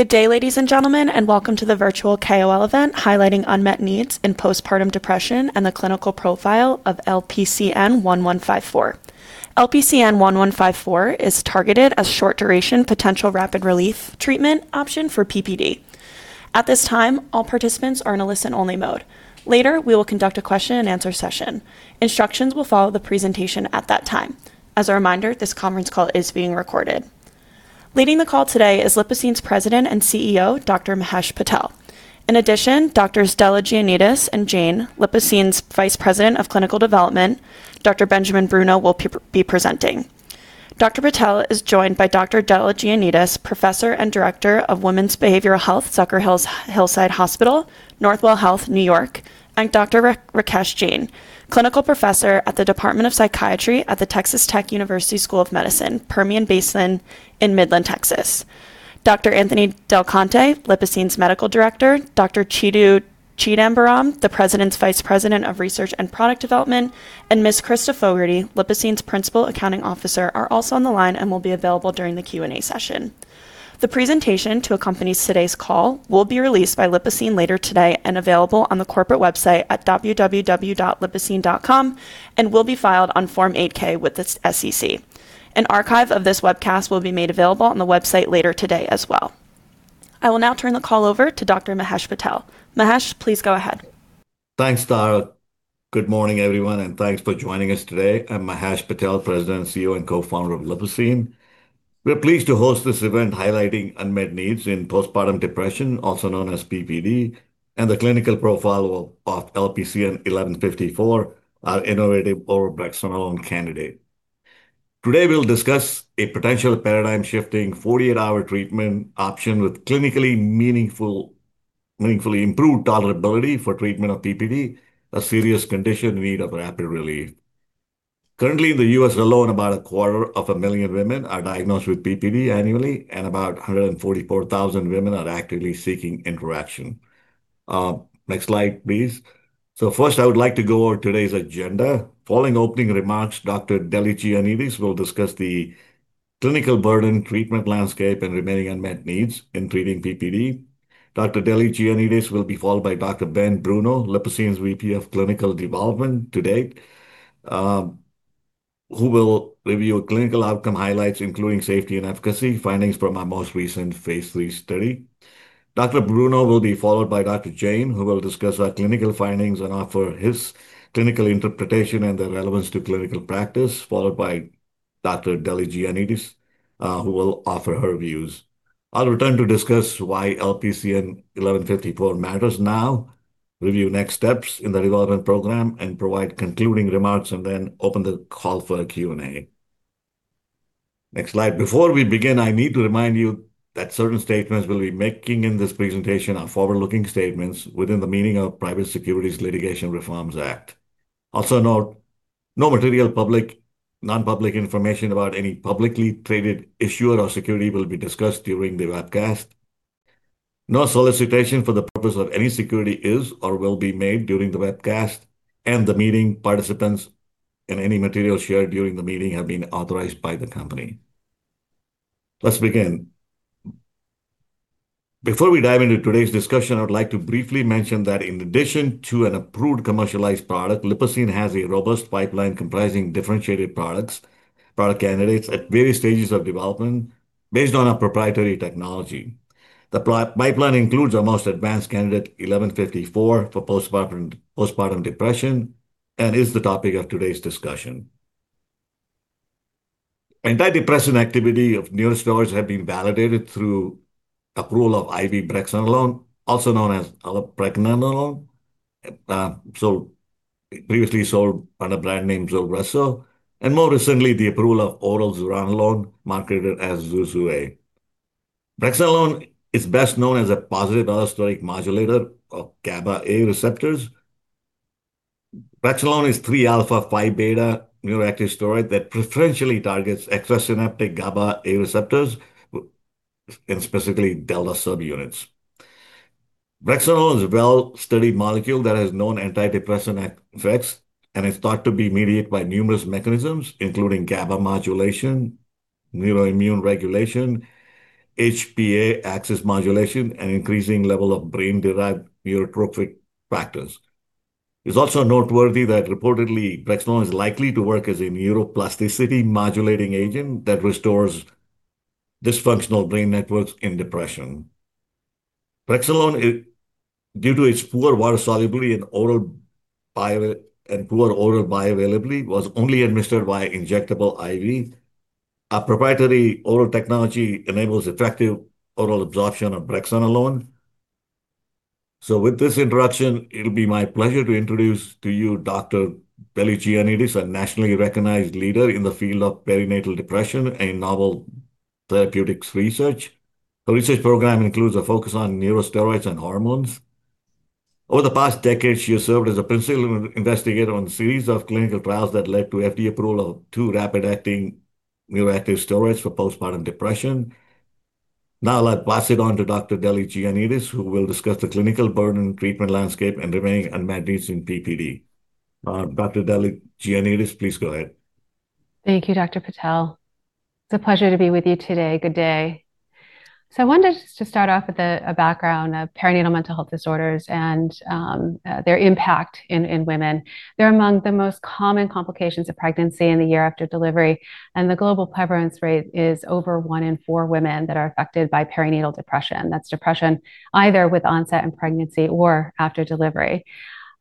Good day, ladies and gentlemen, and welcome to the virtual KOL event highlighting unmet needs in postpartum depression and the clinical profile of LPCN 1154. LPCN 1154 is targeted as short-duration potential rapid relief treatment option for PPD. At this time, all participants are in a listen-only mode. Later, we will conduct a question and answer session. Instructions will follow the presentation at that time. As a reminder, this conference call is being recorded. Leading the call today is Lipocine's President and CEO, Dr. Mahesh Patel. In addition, Drs. Deligiannidis and Jain, Lipocine's Vice President of Clinical Development, Dr. Benjamin Bruno will be presenting. Dr. Patel is joined by Dr. Deligiannidis, professor and director of Women's Behavioral Health, Zucker Hillside Hospital, Northwell Health, N.Y., and Dr. Rakesh Jain, clinical professor at the Department of Psychiatry at the Texas Tech University School of Medicine, Permian Basin in Midland, Texas. Dr. Anthony DelConte, Lipocine's medical director, Dr. Nachiappan Chidambaram, the President's Vice President of Research and Product Development, and Ms. Krista Fogarty, Lipocine's Principal Accounting Officer, are also on the line and will be available during the Q&A session. The presentation to accompany today's call will be released by Lipocine later today and available on the corporate website at www.lipocine.com, and will be filed on Form 8-K with the SEC. An archive of this webcast will be made available on the website later today as well. I will now turn the call over to Dr. Mahesh Patel. Mahesh, please go ahead. Thanks, Tara. Good morning, everyone, thanks for joining us today. I'm Mahesh Patel, President, CEO, and co-founder of Lipocine. We're pleased to host this event highlighting unmet needs in postpartum depression, also known as PPD, and the clinical profile of LPCN 1154, our innovative oral brexanolone candidate. Today, we'll discuss a potential paradigm-shifting 48-hour treatment option with clinically meaningfully improved tolerability for treatment of PPD, a serious condition in need of rapid relief. Currently, in the U.S. alone, about a quarter of a million women are diagnosed with PPD annually, and about 144,000 women are actively seeking interaction. Next slide, please. First, I would like to go over today's agenda. Following opening remarks, Dr. Deligiannidis will discuss the clinical burden, treatment landscape, and remaining unmet needs in treating PPD. Dr. Deligiannidis will be followed by Dr. Ben Bruno, Lipocine's Vice President of Clinical Development today, who will review clinical outcome highlights, including safety and efficacy findings from our most recent phase III study. Dr. Bruno will be followed by Dr. Jain, who will discuss our clinical findings and offer his clinical interpretation and the relevance to clinical practice, followed by Dr. Deligiannidis, who will offer her views. I'll return to discuss why LPCN 1154 matters now, review next steps in the development program, provide concluding remarks, and open the call for Q&A. Next slide. Before we begin, I need to remind you that certain statements we'll be making in this presentation are forward-looking statements within the meaning of Private Securities Litigation Reform Act. Also, note, no material non-public information about any publicly traded issuer or security will be discussed during the webcast. No solicitation for the purpose of any security is or will be made during the webcast, and the meeting participants and any materials shared during the meeting have been authorized by the company. Let's begin. Before we dive into today's discussion, I would like to briefly mention that in addition to an approved commercialized product, Lipocine has a robust pipeline comprising differentiated product candidates at various stages of development based on our proprietary technology. The pipeline includes our most advanced candidate, 1154, for postpartum depression, and is the topic of today's discussion. Antidepressant activity of neurosteroids have been validated through approval of IV brexanolone, also known as brexanolone, previously sold under brand name Zulresso, and more recently, the approval of oral zuranolone, marketed as Zurzuvae. Brexanolone is best known as a positive allosteric modulator of GABA-A receptors. Brexanolone is three alpha, five beta neuroactive steroid that preferentially targets extrasynaptic GABA-A receptors, and specifically delta subunits. Brexanolone is a well-studied molecule that has known antidepressant effects and is thought to be mediated by numerous mechanisms, including GABA modulation, neuroimmune regulation, HPA axis modulation, and increasing level of brain-derived neurotrophic factors. It's also noteworthy that reportedly brexanolone is likely to work as a neuroplasticity modulating agent that restores dysfunctional brain networks in depression. Brexanolone, due to its poor water solubility and poor oral bioavailability, was only administered via injectable IV. Our proprietary oral technology enables attractive oral absorption of brexanolone. With this introduction, it'll be my pleasure to introduce to you Dr. Deligiannidis, a nationally recognized leader in the field of perinatal depression and novel therapeutics research. Her research program includes a focus on neurosteroids and hormones. Over the past decade, she has served as a principal investigator on a series of clinical trials that led to FDA approval of two rapid-acting neuroactive steroids for postpartum depression. I'll pass it on to Dr. Deligiannidis, who will discuss the clinical burden, treatment landscape, and remaining unmet needs in PPD. Dr. Deligiannidis, please go ahead. Thank you, Dr. Patel. It's a pleasure to be with you today. Good day. I wanted just to start off with a background of perinatal mental health disorders and their impact in women. They're among the most common complications of pregnancy in the year after delivery, and the global prevalence rate is over one in four women that are affected by perinatal depression. That's depression either with onset in pregnancy or after delivery.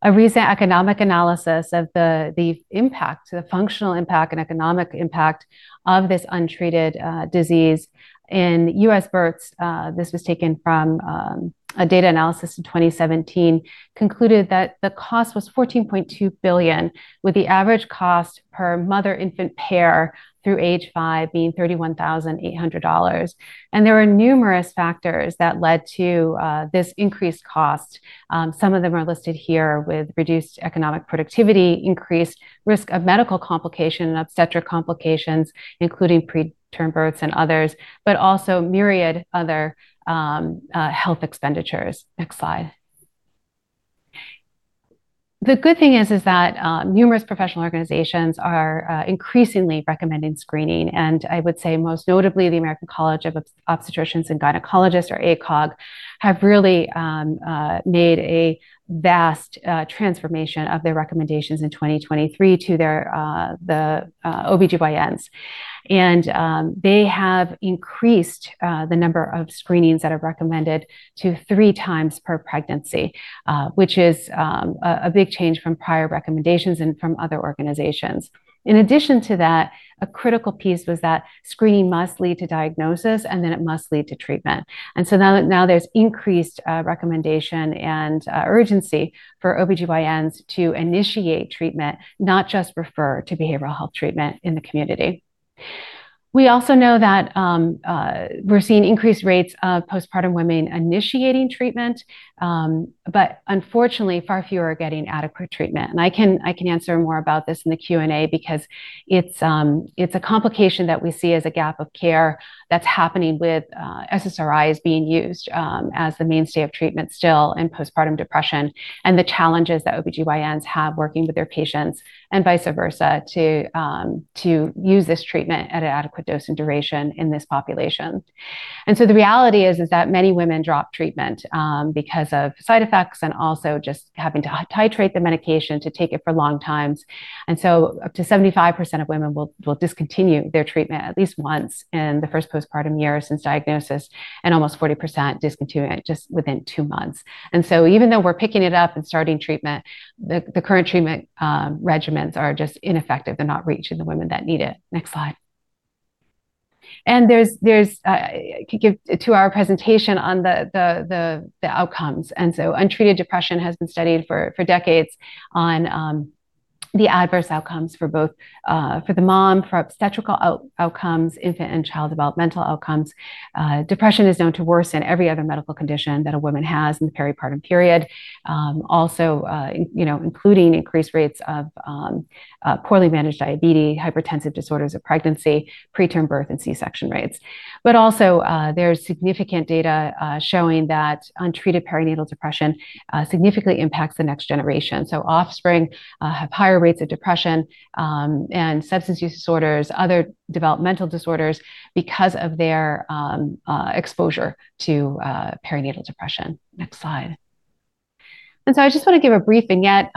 A recent economic analysis of the impact, the functional impact and economic impact of this untreated disease in U.S. births, this was taken from a data analysis in 2017, concluded that the cost was $14.2 billion, with the average cost per mother-infant pair through age five being $31,800. There are numerous factors that led to this increased cost. Some of them are listed here with reduced economic productivity, increased risk of medical complication and obstetric complications, including preterm births and others, but also myriad other health expenditures. Next slide. The good thing is that numerous professional organizations are increasingly recommending screening. I would say most notably, the American College of Obstetricians and Gynecologists, or ACOG, have really made a vast transformation of their recommendations in 2023 to the OBGYNs. They have increased the number of screenings that are recommended to 3x per pregnancy, which is a big change from prior recommendations and from other organizations. In addition to that, a critical piece was that screening must lead to diagnosis, it must lead to treatment. Now there's increased recommendation and urgency for OBGYNs to initiate treatment, not just refer to behavioral health treatment in the community. We also know that we're seeing increased rates of postpartum women initiating treatment. Unfortunately, far fewer are getting adequate treatment. I can answer more about this in the Q&A because it's a complication that we see as a gap of care that's happening with SSRIs being used as the mainstay of treatment still in postpartum depression and the challenges that OBGYNs have working with their patients and vice versa to use this treatment at an adequate dose and duration in this population. The reality is that many women drop treatment because of side effects and also just having to titrate the medication to take it for long times. Up to 75% of women will discontinue their treatment at least once in the first postpartum year since diagnosis, and almost 40% discontinue it just within two months. Even though we're picking it up and starting treatment, the current treatment regimens are just ineffective. They're not reaching the women that need it. Next slide. I could give a two-hour presentation on the outcomes. Untreated depression has been studied for decades on the adverse outcomes for both the mom, for obstetrical outcomes, infant and child developmental outcomes. Depression is known to worsen every other medical condition that a woman has in the peripartum period. Also including increased rates of poorly managed diabetes, hypertensive disorders of pregnancy, preterm birth, and C-section rates. Also, there's significant data showing that untreated perinatal depression significantly impacts the next generation. Offspring have higher rates of depression and substance use disorders, other developmental disorders because of their exposure to perinatal depression. Next slide. I just want to give a brief vignette.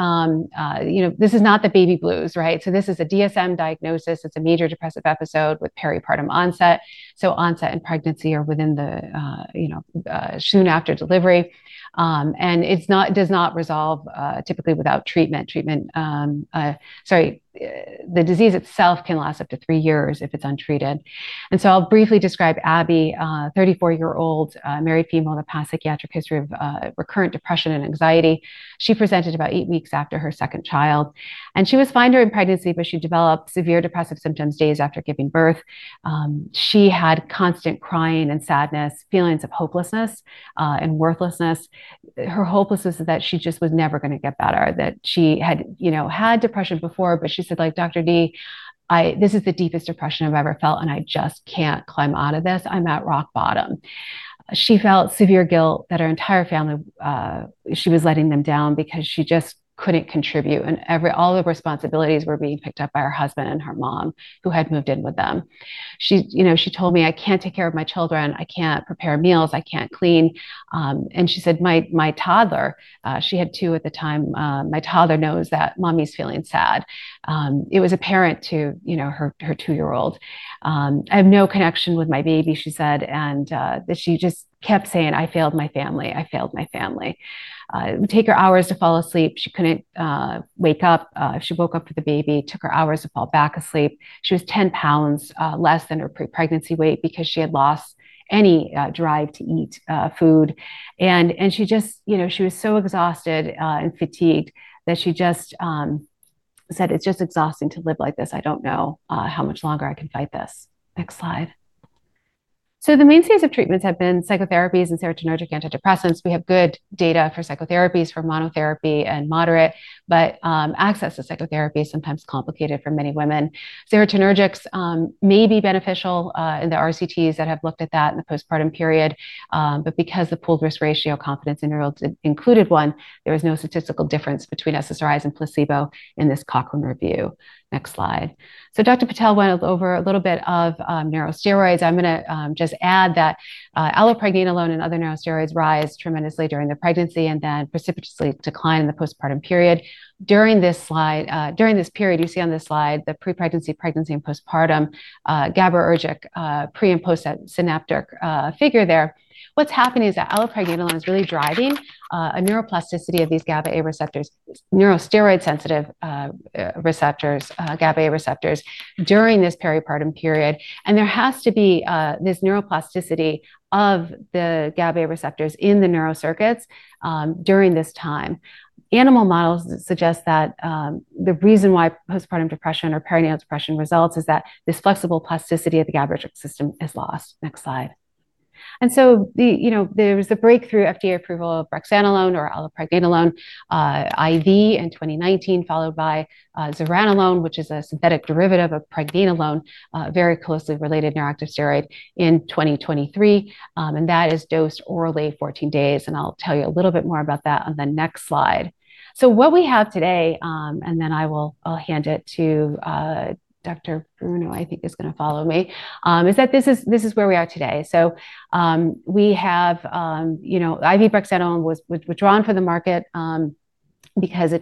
This is not the baby blues, right? This is a DSM diagnosis. It's a major depressive episode with peripartum onset. Onset and pregnancy are within the soon after delivery. It does not resolve typically without treatment. Sorry. The disease itself can last up to three years if it's untreated. I'll briefly describe Abby, 34-year-old married female in the past psychiatric history of recurrent depression and anxiety. She presented about eight weeks after her second child. She was fine during pregnancy, but she developed severe depressive symptoms days after giving birth. She had constant crying and sadness, feelings of hopelessness and worthlessness. Her hopelessness is that she just was never going to get better, that she had had depression before, but she said, "Dr. Dee, this is the deepest depression I've ever felt, I just can't climb out of this. I'm at rock bottom." She felt severe guilt that her entire family, she was letting them down because she just couldn't contribute, and all the responsibilities were being picked up by her husband and her mom, who had moved in with them. She told me, "I can't take care of my children. I can't prepare meals. I can't clean." She said, "My toddler," she had two at the time, "My toddler knows that Mommy's feeling sad." It was apparent to her two-year-old. "I have no connection with my baby," she said, and that she just kept saying, "I failed my family. I failed my family." It would take her hours to fall asleep. She couldn't wake up. If she woke up with the baby, it took her hours to fall back asleep. She was 10 pounds less than her pre-pregnancy weight because she had lost any drive to eat food. She was so exhausted and fatigued that she just said, "It's just exhausting to live like this. I don't know how much longer I can fight this." Next slide The mainstays of treatments have been psychotherapies and serotonergic antidepressants. We have good data for psychotherapies, for monotherapy and moderate, but access to psychotherapy is sometimes complicated for many women. Serotonergics may be beneficial in the RCTs that have looked at that in the postpartum period. But because the pooled risk ratio confidence intervals included one, there was no statistical difference between SSRIs and placebo in this Cochrane review. Next slide. Dr. Patel went over a little bit of neurosteroids. I'm going to just add that allopregnanolone and other neurosteroids rise tremendously during the pregnancy and then precipitously decline in the postpartum period. During this period, you see on this slide the pre-pregnancy, pregnancy, and postpartum GABAergic, pre- and postsynaptic figure there. What's happening is that allopregnanolone is really driving a neuroplasticity of these GABA-A receptors, neurosteroid-sensitive GABA-A receptors, during this peripartum period. There has to be this neuroplasticity of the GABA-A receptors in the neurocircuits during this time. Animal models suggest that the reason why postpartum depression or perinatal depression results is that this flexible plasticity of the GABAergic system is lost. Next slide. There was the breakthrough FDA approval of brexanolone or allopregnanolone IV in 2019, followed by zuranolone, which is a synthetic derivative of pregnenolone, a very closely related neuroactive steroid, in 2023. That is dosed orally 14 days, and I'll tell you a little bit more about that on the next slide. What we have today, and then I'll hand it to Dr. Bruno, I think, is going to follow me, is that this is where we are today. IV brexanolone was withdrawn from the market because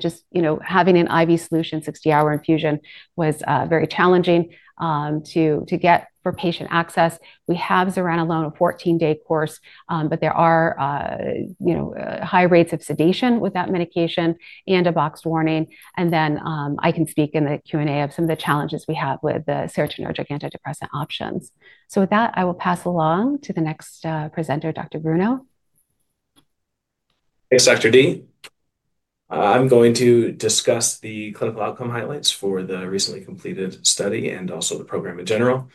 having an IV solution 60-hour infusion was very challenging to get for patient access. We have zuranolone, a 14-day course, but there are high rates of sedation with that medication and a box warning. Then I can speak in the Q&A of some of the challenges we have with the serotonergic antidepressant options. With that, I will pass along to the next presenter, Dr. Bruno. Thanks, Dr. Dee. I'm going to discuss the clinical outcome highlights for the recently completed study and also the program in general.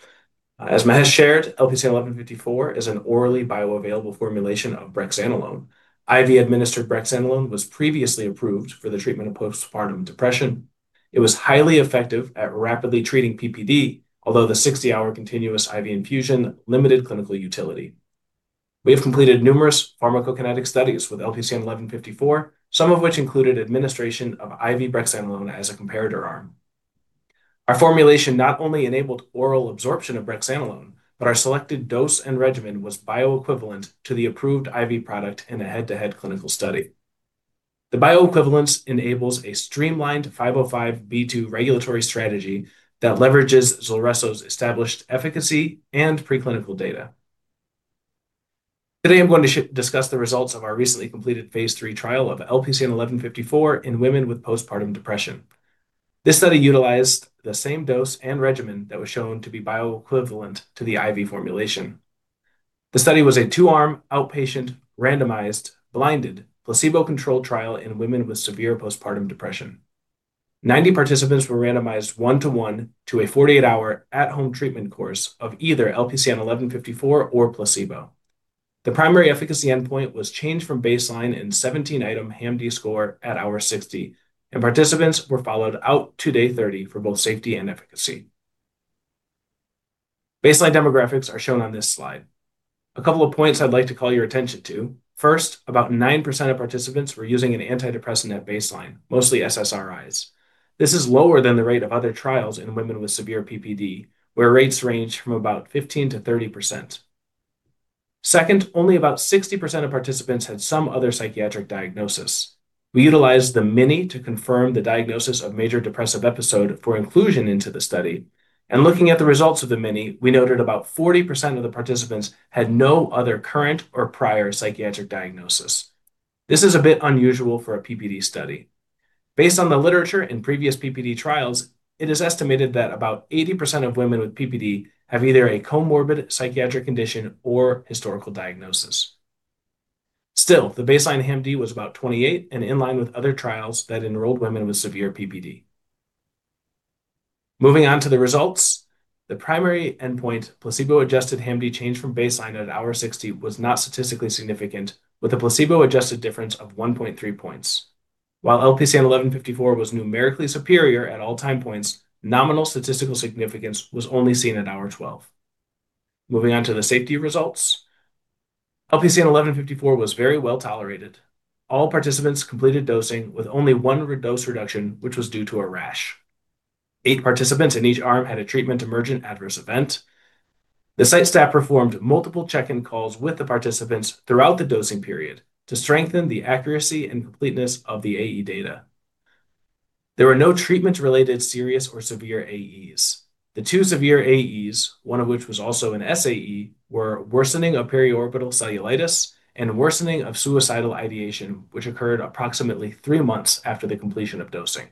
As Mahesh shared, LPCN 1154 is an orally bioavailable formulation of brexanolone. IV-administered brexanolone was previously approved for the treatment of postpartum depression. It was highly effective at rapidly treating PPD, although the 60-hour continuous IV infusion limited clinical utility. We have completed numerous pharmacokinetic studies with LPCN 1154, some of which included administration of IV brexanolone as a comparator arm. Our formulation not only enabled oral absorption of brexanolone, but our selected dose and regimen was bioequivalent to the approved IV product in a head-to-head clinical study. The bioequivalence enables a streamlined 505(b)(2) regulatory strategy that leverages Zulresso's established efficacy and preclinical data. Today, I'm going to discuss the results of our recently completed phase III trial of LPCN 1154 in women with postpartum depression. This study utilized the same dose and regimen that was shown to be bioequivalent to the IV formulation. The study was a two-arm, outpatient, randomized, blinded, placebo-controlled trial in women with severe postpartum depression. 90 participants were randomized one-to-one to a 48-hour at-home treatment course of either LPCN 1154 or placebo. The primary efficacy endpoint was changed from baseline in 17-item HAM-D score at hour 60, and participants were followed out to day 30 for both safety and efficacy. Baseline demographics are shown on this slide. A couple of points I'd like to call your attention to. First, about 9% of participants were using an antidepressant at baseline, mostly SSRIs. This is lower than the rate of other trials in women with severe PPD, where rates range from about 15%-30%. Second, only about 60% of participants had some other psychiatric diagnosis. We utilized the MINI to confirm the diagnosis of major depressive episode for inclusion into the study. Looking at the results of the MINI, we noted about 40% of the participants had no other current or prior psychiatric diagnosis. This is a bit unusual for a PPD study. Based on the literature in previous PPD trials, it is estimated that about 80% of women with PPD have either a comorbid psychiatric condition or historical diagnosis. Still, the baseline HAM-D was about 28 and in line with other trials that enrolled women with severe PPD. Moving on to the results. The primary endpoint, placebo-adjusted HAM-D change from baseline at hour 60 was not statistically significant, with a placebo-adjusted difference of 1.3 points. While LPCN 1154 was numerically superior at all time points, nominal statistical significance was only seen at hour 12. Moving on to the safety results. LPCN 1154 was very well-tolerated. All participants completed dosing with only one dose reduction, which was due to a rash. Eight participants in each arm had a treatment-emergent adverse event. The site staff performed multiple check-in calls with the participants throughout the dosing period to strengthen the accuracy and completeness of the AE data. There were no treatment-related serious or severe AEs. The two severe AEs, one of which was also an SAE, were worsening of periorbital cellulitis and worsening of suicidal ideation, which occurred approximately three months after the completion of dosing.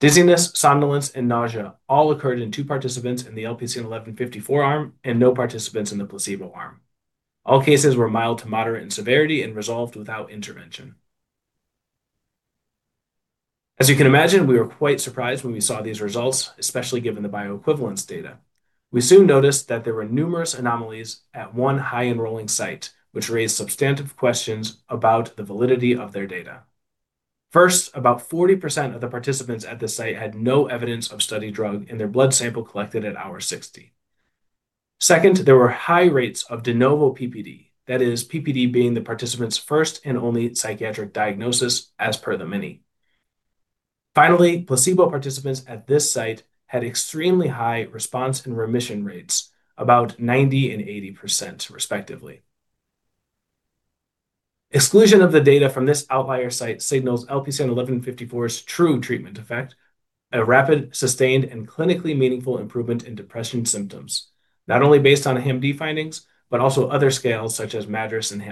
Dizziness, somnolence, and nausea all occurred in two participants in the LPCN 1154 arm and no participants in the placebo arm. All cases were mild to moderate in severity and resolved without intervention. As you can imagine, we were quite surprised when we saw these results, especially given the bioequivalence data. We soon noticed that there were numerous anomalies at one high-enrolling site, which raised substantive questions about the validity of their data. First, about 40% of the participants at the site had no evidence of study drug in their blood sample collected at hour 60. Second, there were high rates of de novo PPD. That is, PPD being the participant's first and only psychiatric diagnosis as per the MINI. Finally, placebo participants at this site had extremely high response and remission rates, about 90% and 80%, respectively. Exclusion of the data from this outlier site signals LPCN1154's true treatment effect, a rapid, sustained, and clinically meaningful improvement in depression symptoms. Not only based on HAM-D findings, but also other scales such as MADRS and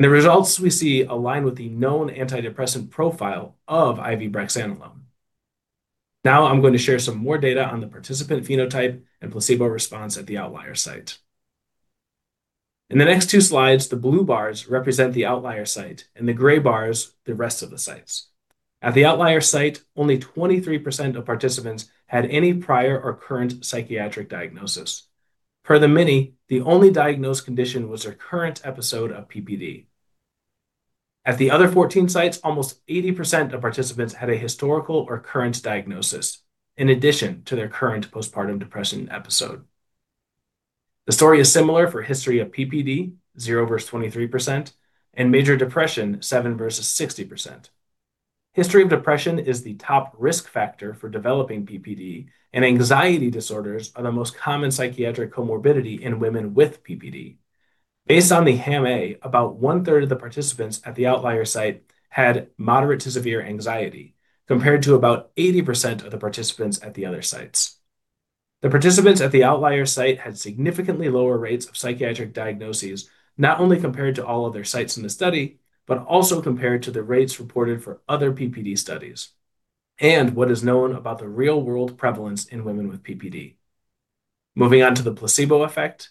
HAM-A. The results we see align with the known antidepressant profile of IV brexanolone. I'm going to share some more data on the participant phenotype and placebo response at the outlier site. In the next two slides, the blue bars represent the outlier site, and the gray bars, the rest of the sites. At the outlier site, only 23% of participants had any prior or current psychiatric diagnosis. Per the MINI, the only diagnosed condition was a current episode of PPD. At the other 14 sites, almost 80% of participants had a historical or current diagnosis in addition to their current postpartum depression episode. The story is similar for history of PPD, 0% versus 23%, and major depression, 7% versus 60%. History of depression is the top risk factor for developing PPD, and anxiety disorders are the most common psychiatric comorbidity in women with PPD. Based on the HAM-A, about one-third of the participants at the outlier site had moderate to severe anxiety, compared to about 80% of the participants at the other sites. The participants at the outlier site had significantly lower rates of psychiatric diagnoses, not only compared to all other sites in the study, but also compared to the rates reported for other PPD studies and what is known about the real-world prevalence in women with PPD. Moving on to the placebo effect.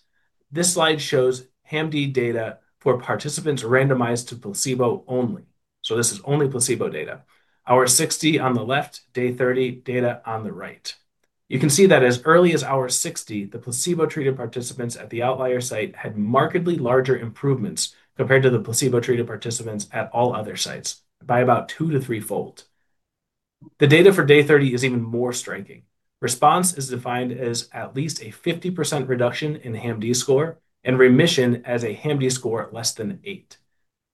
This slide shows HAM-D data for participants randomized to placebo only. This is only placebo data. Hour 60 on the left, day 30 data on the right. You can see that as early as hour 60, the placebo-treated participants at the outlier site had markedly larger improvements compared to the placebo-treated participants at all other sites by about two to threefold. The data for day 30 is even more striking. Response is defined as at least a 50% reduction in HAM-D score, and remission as a HAM-D score less than eight.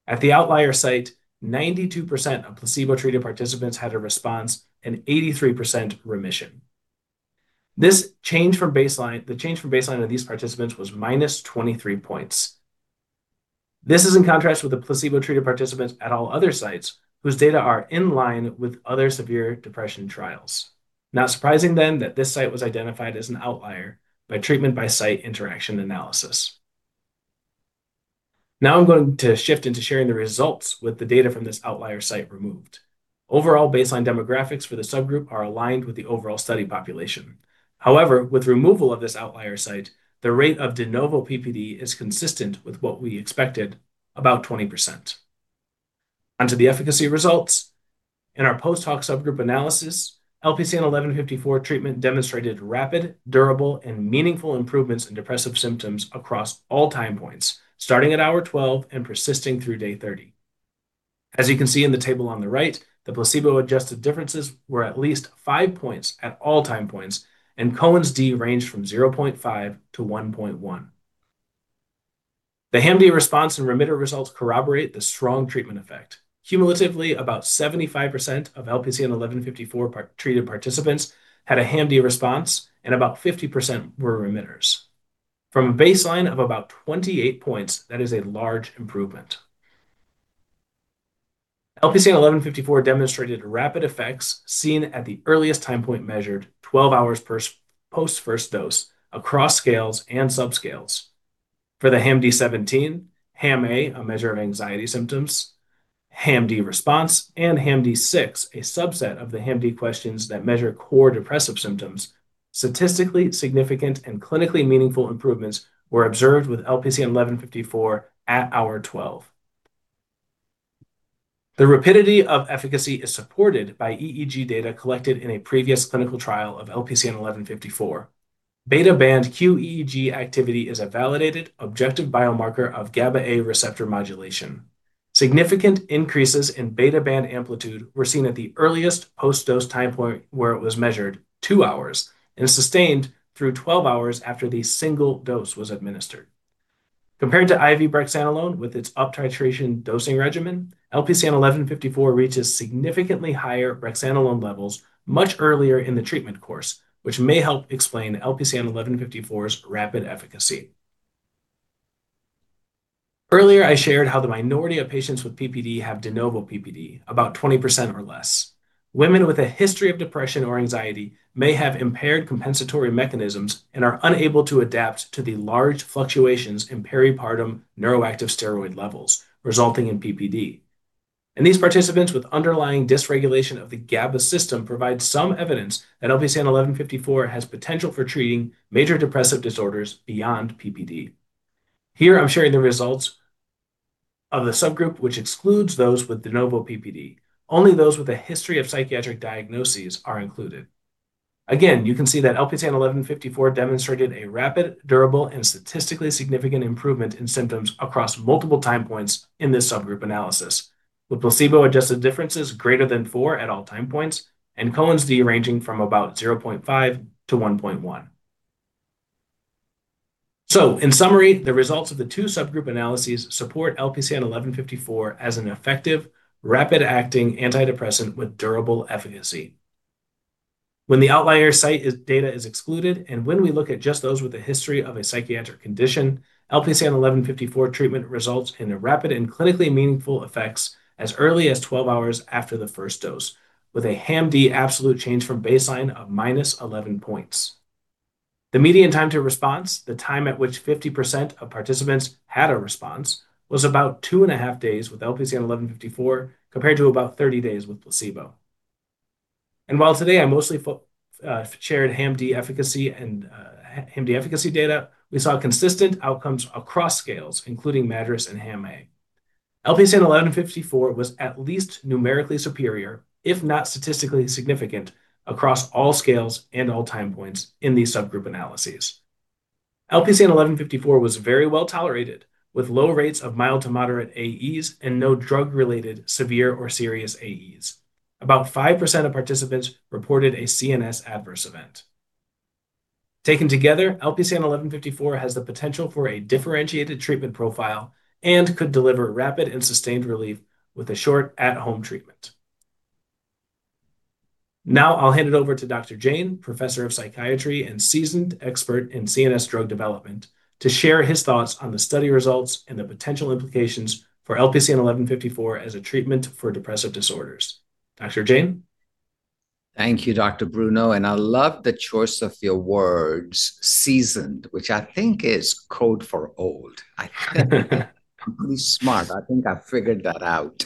At the outlier site, 92% of placebo-treated participants had a response and 83% remission. The change from baseline of these participants was -23 points. This is in contrast with the placebo-treated participants at all other sites whose data are in line with other severe depression trials. Not surprising that this site was identified as an outlier by treatment by site interaction analysis. I'm going to shift into sharing the results with the data from this outlier site removed. Overall baseline demographics for the subgroup are aligned with the overall study population. However, with removal of this outlier site, the rate of de novo PPD is consistent with what we expected, about 20%. On to the efficacy results. In our post hoc subgroup analysis, LPCN 1154 treatment demonstrated rapid, durable, and meaningful improvements in depressive symptoms across all time points, starting at hour 12 and persisting through day 30. As you can see in the table on the right, the placebo-adjusted differences were at least five points at all time points, and Cohen's d ranged from 0.5-1.1. The HAM-D response and remitter results corroborate the strong treatment effect. Cumulatively, about 75% of LPCN 1154 treated participants had a HAM-D response, and about 50% were remitters. From a baseline of about 28 points, that is a large improvement. LPCN 1154 demonstrated rapid effects seen at the earliest time point measured, 12 hours post first dose across scales and subscales. For the HAM-D17, HAM-A, a measure of anxiety symptoms, HAM-D response, and HAM-D6, a subset of the HAM-D questions that measure core depressive symptoms, statistically significant and clinically meaningful improvements were observed with LPCN 1154 at hour 12. The rapidity of efficacy is supported by EEG data collected in a previous clinical trial of LPCN 1154. Beta band QEEG activity is a validated objective biomarker of GABA-A receptor modulation. Significant increases in beta band amplitude were seen at the earliest post-dose time point where it was measured, two hours, and sustained through 12 hours after the single dose was administered. Compared to IV brexanolone with its up titration dosing regimen, LPCN 1154 reaches significantly higher brexanolone levels much earlier in the treatment course, which may help explain LPCN 1154's rapid efficacy. Earlier, I shared how the minority of patients with PPD have de novo PPD, about 20% or less. Women with a history of depression or anxiety may have impaired compensatory mechanisms and are unable to adapt to the large fluctuations in peripartum neuroactive steroid levels, resulting in PPD. In these participants with underlying dysregulation of the GABA system provide some evidence that LPCN 1154 has potential for treating major depressive disorders beyond PPD. Here I'm sharing the results of the subgroup, which excludes those with de novo PPD. Only those with a history of psychiatric diagnoses are included. Again, you can see that LPCN 1154 demonstrated a rapid, durable, and statistically significant improvement in symptoms across multiple time points in this subgroup analysis. With placebo-adjusted differences greater than four at all time points, and Cohen's d ranging from about 0.5-1.1. In summary, the results of the two subgroup analyses support LPCN 1154 as an effective, rapid-acting antidepressant with durable efficacy. When the outlier site data is excluded, when we look at just those with a history of a psychiatric condition, LPCN 1154 treatment results in rapid and clinically meaningful effects as early as 12 hours after the first dose, with a HAM-D absolute change from baseline of -11 points. The median time to response, the time at which 50% of participants had a response, was about 2.5 days with LPCN 1154 compared to about 30 days with placebo. While today I mostly shared HAM-D efficacy data, we saw consistent outcomes across scales, including MADRS and HAM-A. LPCN 1154 was at least numerically superior, if not statistically significant, across all scales and all time points in these subgroup analyses. LPCN 1154 was very well tolerated, with low rates of mild to moderate AEs and no drug-related severe or serious AEs. About 5% of participants reported a CNS adverse event. Taken together, LPCN 1154 has the potential for a differentiated treatment profile and could deliver rapid and sustained relief with a short at-home treatment. I'll hand it over to Dr. Jain, Professor of Psychiatry and seasoned expert in CNS drug development, to share his thoughts on the study results and the potential implications for LPCN 1154 as a treatment for depressive disorders. Dr. Jain? Thank you, Dr. Bruno. I love the choice of your words, "seasoned," which I think is code for old. I'm pretty smart. I think I figured that out.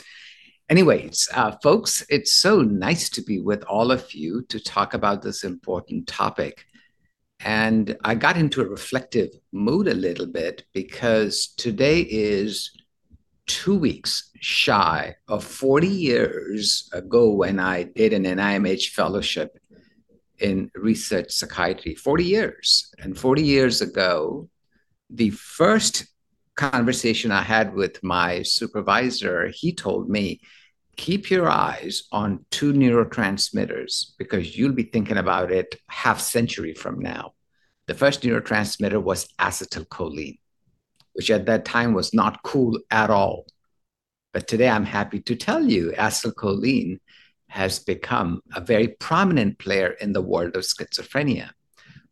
Folks, it's so nice to be with all of you to talk about this important topic. I got into a reflective mood a little bit because today is two weeks shy of 40 years ago when I did an NIMH fellowship in research psychiatry. 40 years. 40 years ago, the first conversation I had with my supervisor, he told me, "Keep your eyes on two neurotransmitters because you'll be thinking about it half-century from now." The first neurotransmitter was acetylcholine, which at that time was not cool at all. Today, I'm happy to tell you acetylcholine has become a very prominent player in the world of schizophrenia.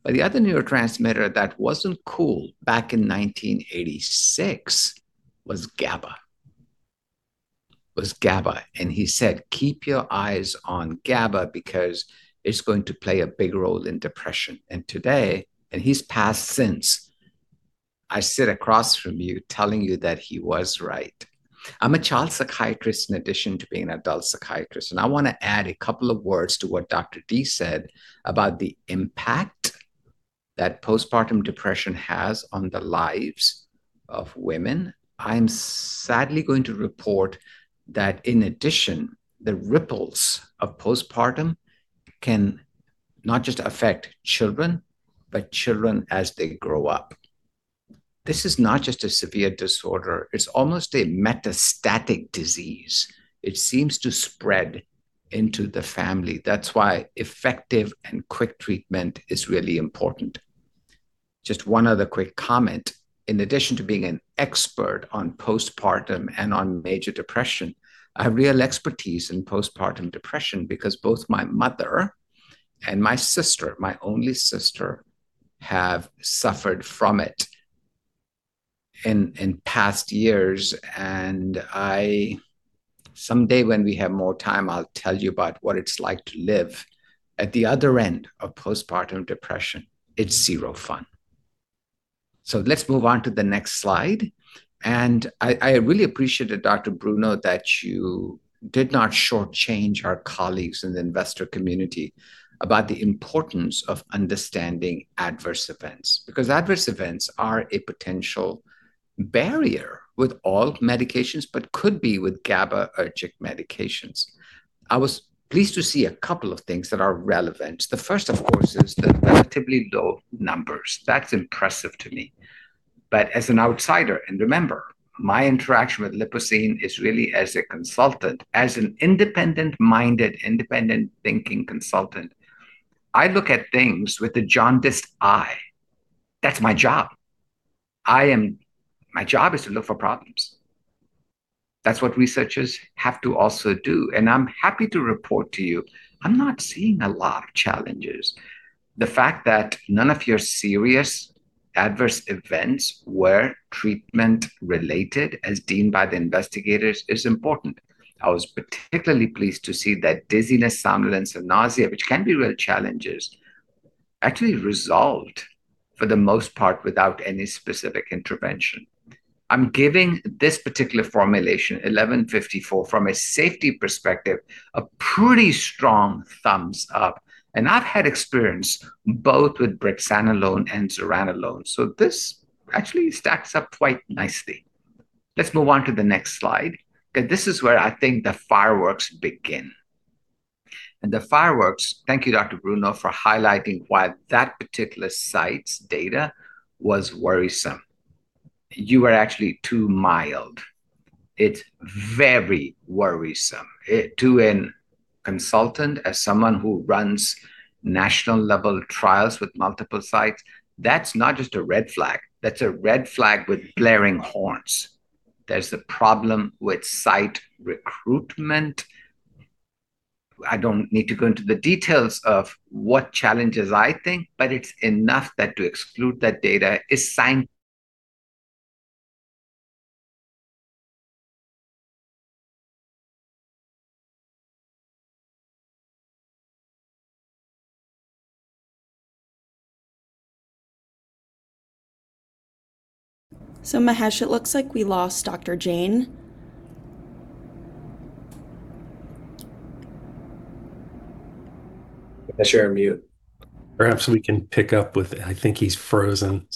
The other neurotransmitter that wasn't cool back in 1986 was GABA. He said, "Keep your eyes on GABA because it's going to play a big role in depression." Today, and he's passed since, I sit across from you telling you that he was right. I'm a child psychiatrist in addition to being an adult psychiatrist. I want to add a couple of words to what Dr. D said about the impact that postpartum depression has on the lives of women. I'm sadly going to report that in addition, the ripples of postpartum can not just affect children, but children as they grow up. This is not just a severe disorder. It's almost a metastatic disease. It seems to spread into the family. That's why effective and quick treatment is really important. Just one other quick comment. In addition to being an expert on postpartum and on major depression, I have real expertise in postpartum depression because both my mother and my sister, my only sister, have suffered from it in past years. Someday when we have more time, I'll tell you about what it's like to live at the other end of postpartum depression. It's zero fun. Let's move on to the next slide. I really appreciated, Dr. Bruno, that you did not shortchange our colleagues in the investor community about the importance of understanding adverse events. Adverse events are a potential barrier with all medications, but could be with GABAergic medications. I was pleased to see a couple of things that are relevant. The first, of course, is the relatively low numbers. That's impressive to me. As an outsider, and remember, my interaction with Lipocine is really as a consultant. As an independent-minded, independent-thinking consultant, I look at things with a jaundiced eye. That's my job. My job is to look for problems. That's what researchers have to also do. I'm happy to report to you, I'm not seeing a lot of challenges. The fact that none of your serious adverse events were treatment-related, as deemed by the investigators, is important. I was particularly pleased to see that dizziness, somnolence, and nausea, which can be real challenges, actually resolved for the most part without any specific intervention. I'm giving this particular formulation, 1154, from a safety perspective, a pretty strong thumbs up. I've had experience both with brexanolone and zuranolone. This actually stacks up quite nicely. Let's move on to the next slide. This is where I think the fireworks begin. The fireworks, thank you, Dr. Bruno, for highlighting why that particular site's data was worrisome. You were actually too mild. It's very worrisome. To a consultant, as someone who runs national-level trials with multiple sites, that's not just a red flag, that's a red flag with blaring horns. There's a problem with site recruitment. I don't need to go into the details of what challenges I think, but it's enough that to exclude that data is. Mahesh, it looks like we lost Dr. Jain. Rakesh, you're on mute. Perhaps we can pick up with I think he's frozen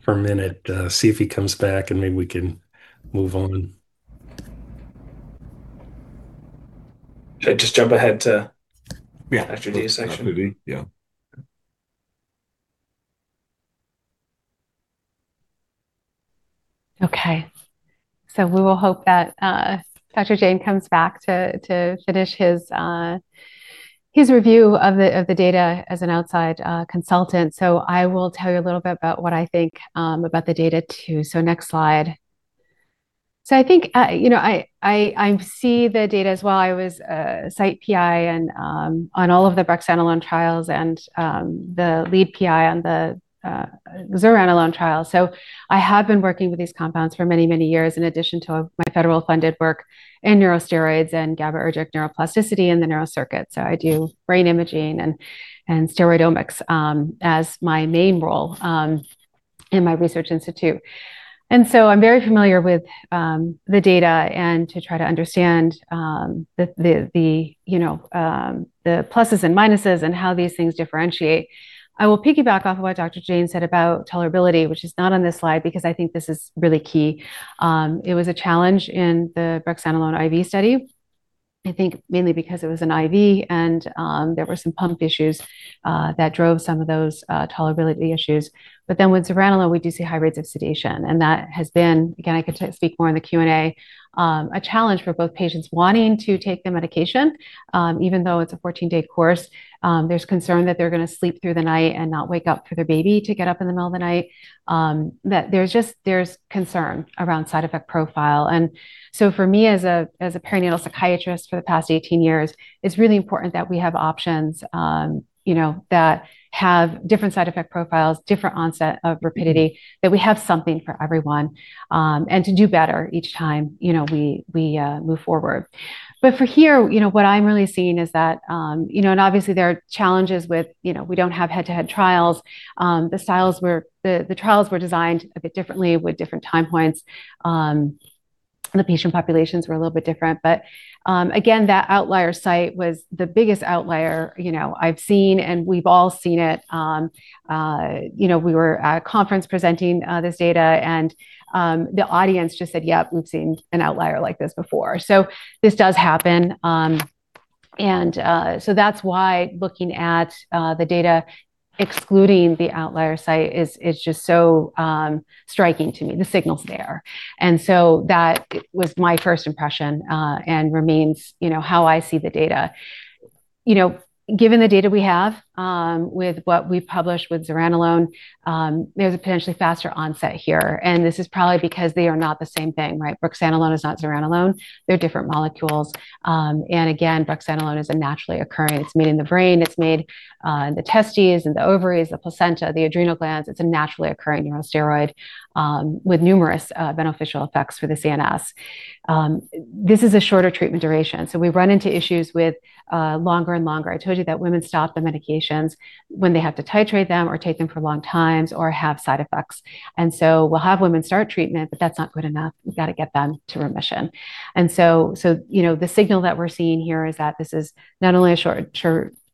for a minute. See if he comes back, and maybe we can move on. Should I just jump ahead to? Yeah Dr. D's section? Dr. D, yeah. Okay. We will hope that Dr. Jain comes back to finish his review of the data as an outside consultant. I will tell you a little bit about what I think about the data, too. Next slide. I see the data as well. I was site PI on all of the brexanolone trials and the lead PI on the zuranolone trial. I have been working with these compounds for many, many years in addition to my federal funded work in neurosteroids and GABAergic neuroplasticity in the neural circuit. I do brain imaging and steroidomics as my main role in my research institute. I'm very familiar with the data and to try to understand the pluses and minuses and how these things differentiate. I will piggyback off of what Dr. Jain said about tolerability, which is not on this slide, because I think this is really key. It was a challenge in the brexanolone IV study, I think mainly because it was an IV and there were some pump issues that drove some of those tolerability issues. With zuranolone, we do see high rates of sedation, and that has been, again, I can speak more in the Q&A, a challenge for both patients wanting to take the medication. Even though it's a 14-day course, there's concern that they're going to sleep through the night and not wake up for their baby to get up in the middle of the night. There's concern around side effect profile. For me, as a perinatal psychiatrist for the past 18 years, it's really important that we have options that have different side effect profiles, different onset of rapidity, that we have something for everyone, and to do better each time we move forward. For here, what I'm really seeing is that, and obviously there are challenges with we don't have head-to-head trials. The trials were designed a bit differently with different time points. The patient populations were a little bit different. Again, that outlier site was the biggest outlier I've seen, and we've all seen it. We were at a conference presenting this data, and the audience just said, "Yep, we've seen an outlier like this before." This does happen. That's why looking at the data, excluding the outlier site, is just so striking to me. The signal's there. That was my first impression, and remains how I see the data. Given the data we have, with what we've published with zuranolone, there's a potentially faster onset here. This is probably because they are not the same thing, right? brexanolone is not zuranolone. They're different molecules. Again, brexanolone is a naturally occurring. It's made in the brain. It's made in the testes, in the ovaries, the placenta, the adrenal glands. It's a naturally occurring neurosteroid with numerous beneficial effects for the CNS. This is a shorter treatment duration, so we run into issues with longer and longer. I told you that women stop the medications when they have to titrate them or take them for long times or have side effects. We'll have women start treatment, but that's not good enough. We've got to get them to remission. The signal that we're seeing here is that this is not only a shorter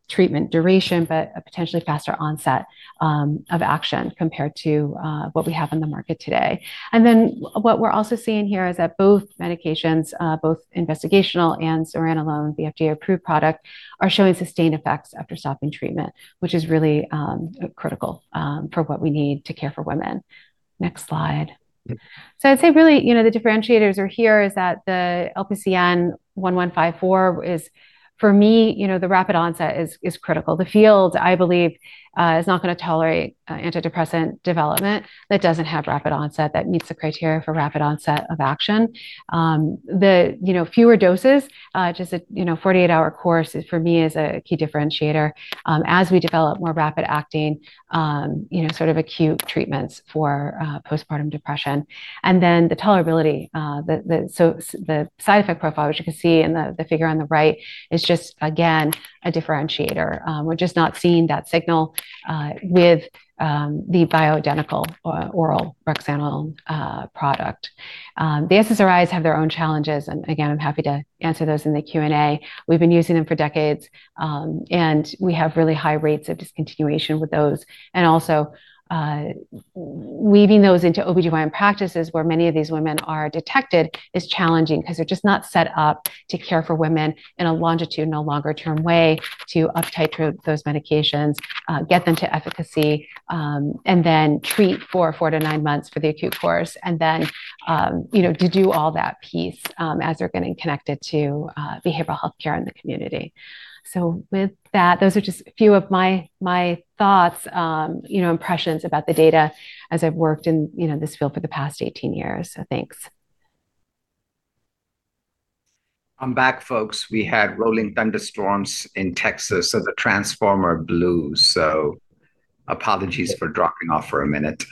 treatment duration, but a potentially faster onset of action compared to what we have on the market today. What we're also seeing here is that both medications, both investigational and zuranolone, the FDA-approved product, are showing sustained effects after stopping treatment, which is really critical for what we need to care for women. Next slide. I'd say really, the differentiators are here is that the LPCN 1154 is, for me, the rapid onset is critical. The field, I believe, is not going to tolerate antidepressant development that doesn't have rapid onset, that meets the criteria for rapid onset of action. The fewer doses, just a 48-hour course for me is a key differentiator as we develop more rapid acting acute treatments for postpartum depression. The tolerability. The side effect profile, which you can see in the figure on the right, is just again, a differentiator. We're just not seeing that signal with the bioidentical oral brexanolone product. The SSRIs have their own challenges, and again, I'm happy to answer those in the Q&A. We've been using them for decades. We have really high rates of discontinuation with those. Also, weaving those into OBGYN practices where many of these women are detected is challenging because they're just not set up to care for women in a longitudinal, longer-term way to uptitrate those medications, get them to efficacy, and then treat for four to nine months for the acute course. To do all that piece as they're getting connected to behavioral healthcare in the community. With that, those are just a few of my thoughts, impressions about the data as I've worked in this field for the past 18 years. Thanks. I'm back, folks. We had rolling thunderstorms in Texas, so the transformer blew. Apologies for dropping off for a minute.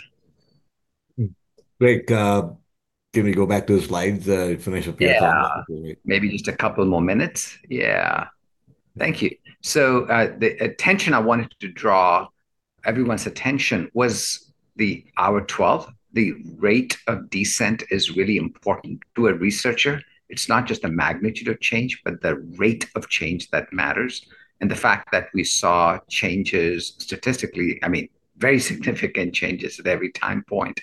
Great. Can we go back to the slides, the financial forecast- Yeah. Maybe just a couple more minutes. Yeah. Thank you. The attention I wanted to draw everyone's attention was the hour 12. The rate of descent is really important to a researcher. It's not just the magnitude of change, but the rate of change that matters. The fact that we saw changes statistically, very significant changes at every time point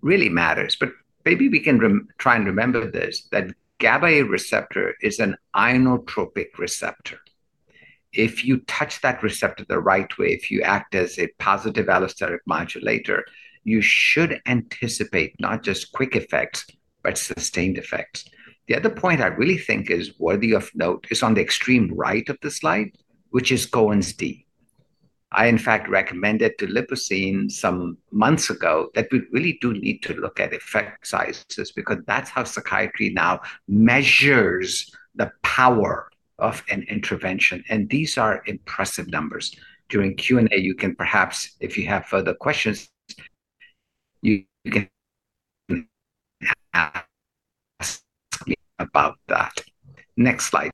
really matters. Maybe we can try and remember this, that GABA-A receptor is an ionotropic receptor. If you touch that receptor the right way, if you act as a positive allosteric modulator, you should anticipate not just quick effects, but sustained effects. The other point I really think is worthy of note is on the extreme right of the slide, which is Cohen's d. I, in fact, recommended to Lipocine some months ago that we really do need to look at effect sizes because that's how psychiatry now measures the power of an intervention. These are impressive numbers. During Q&A, you can perhaps, if you have further questions, you can ask me about that. Next slide.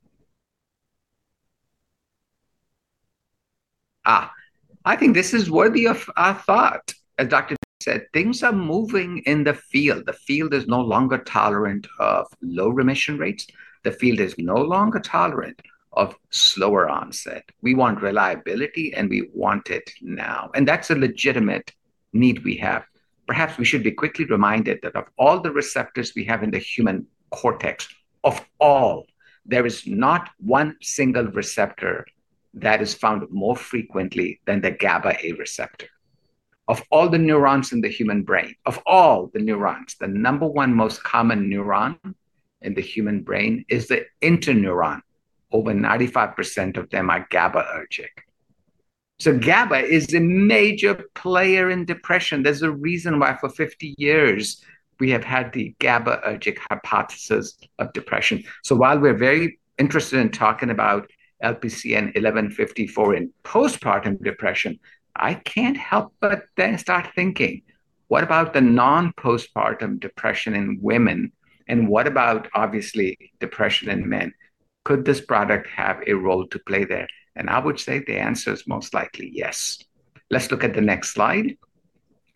I think this is worthy of our thought. As Dr. D said, things are moving in the field. The field is no longer tolerant of low remission rates. The field is no longer tolerant of slower onset. We want reliability, and we want it now. That's a legitimate need we have. Perhaps we should be quickly reminded that of all the receptors we have in the human cortex, of all, there is not one single receptor that is found more frequently than the GABA-A receptor. Of all the neurons in the human brain, of all the neurons, the number one most common neuron in the human brain is the interneuron. Over 95% of them are GABAergic. GABA is a major player in depression. There's a reason why for 50 years we have had the GABAergic hypothesis of depression. While we're very interested in talking about LPCN 1154 in postpartum depression, I can't help but then start thinking, what about the non-postpartum depression in women? What about, obviously, depression in men? Could this product have a role to play there? I would say the answer is most likely yes. Let's look at the next slide.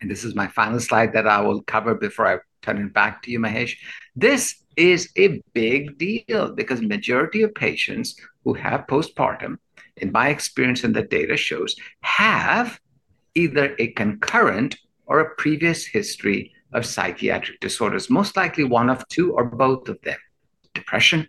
This is my final slide that I will cover before I turn it back to you, Mahesh. This is a big deal because majority of patients who have postpartum, in my experience and the data shows, have either a concurrent or a previous history of psychiatric disorders, most likely one of two or both of them, depression,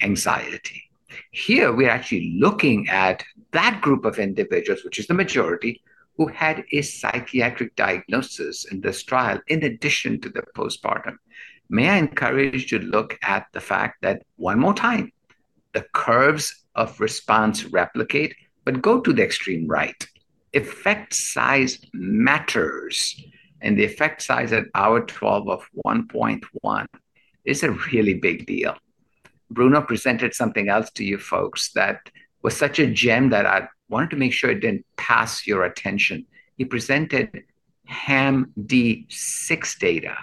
anxiety. Here, we are actually looking at that group of individuals, which is the majority, who had a psychiatric diagnosis in this trial, in addition to the postpartum. May I encourage you to look at the fact that one more time, the curves of response replicate, but go to the extreme right. Effect size matters, and the effect size at hour 12 of 1.1 is a really big deal. Benjamin Bruno presented something else to you folks that was such a gem that I wanted to make sure it didn't pass your attention. He presented HAM-D6 data,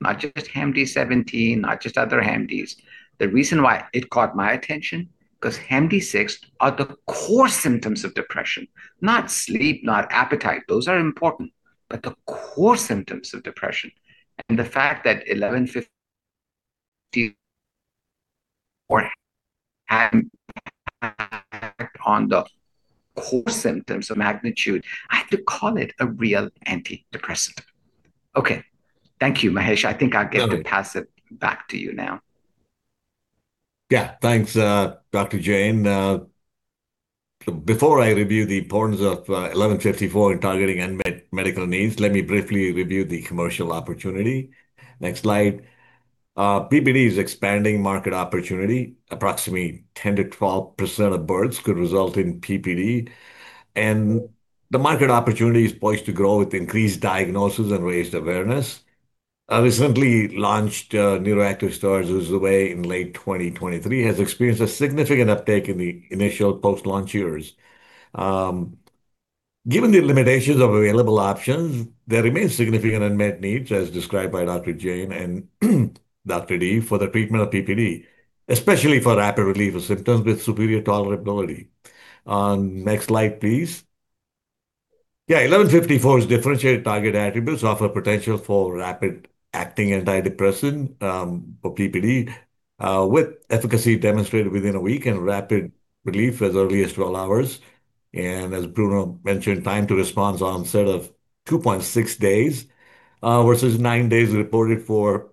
not just HAM-D17, not just other HAM-Ds. The reason why it caught my attention, because HAM-D6 are the core symptoms of depression. Not sleep, not appetite. Those are important. The core symptoms of depression, and the fact that 1154 on the core symptoms of magnitude, I have to call it a real antidepressant. Okay. Thank you, Mahesh Patel. I think I get to pass it back to you now. Thanks, Dr. Jain. Before I review the importance of 1154 in targeting unmet medical needs, let me briefly review the commercial opportunity. Next slide. PPD is expanding market opportunity. Approximately 10%-12% of births could result in PPD, and the market opportunity is poised to grow with increased diagnosis and raised awareness. Our recently launched Zurzuvae in late 2023, has experienced a significant uptake in the initial post-launch years. Given the limitations of available options, there remains significant unmet needs, as described by Dr. Jain and Dr. D for the treatment of PPD, especially for rapid relief of symptoms with superior tolerability. Next slide, please. 1154's differentiated target attributes offer potential for rapid acting antidepressant, for PPD, with efficacy demonstrated within a week and rapid relief as early as 12 hours. As Benjamin Bruno mentioned, time to response onset of 2.6 days, versus nine days reported for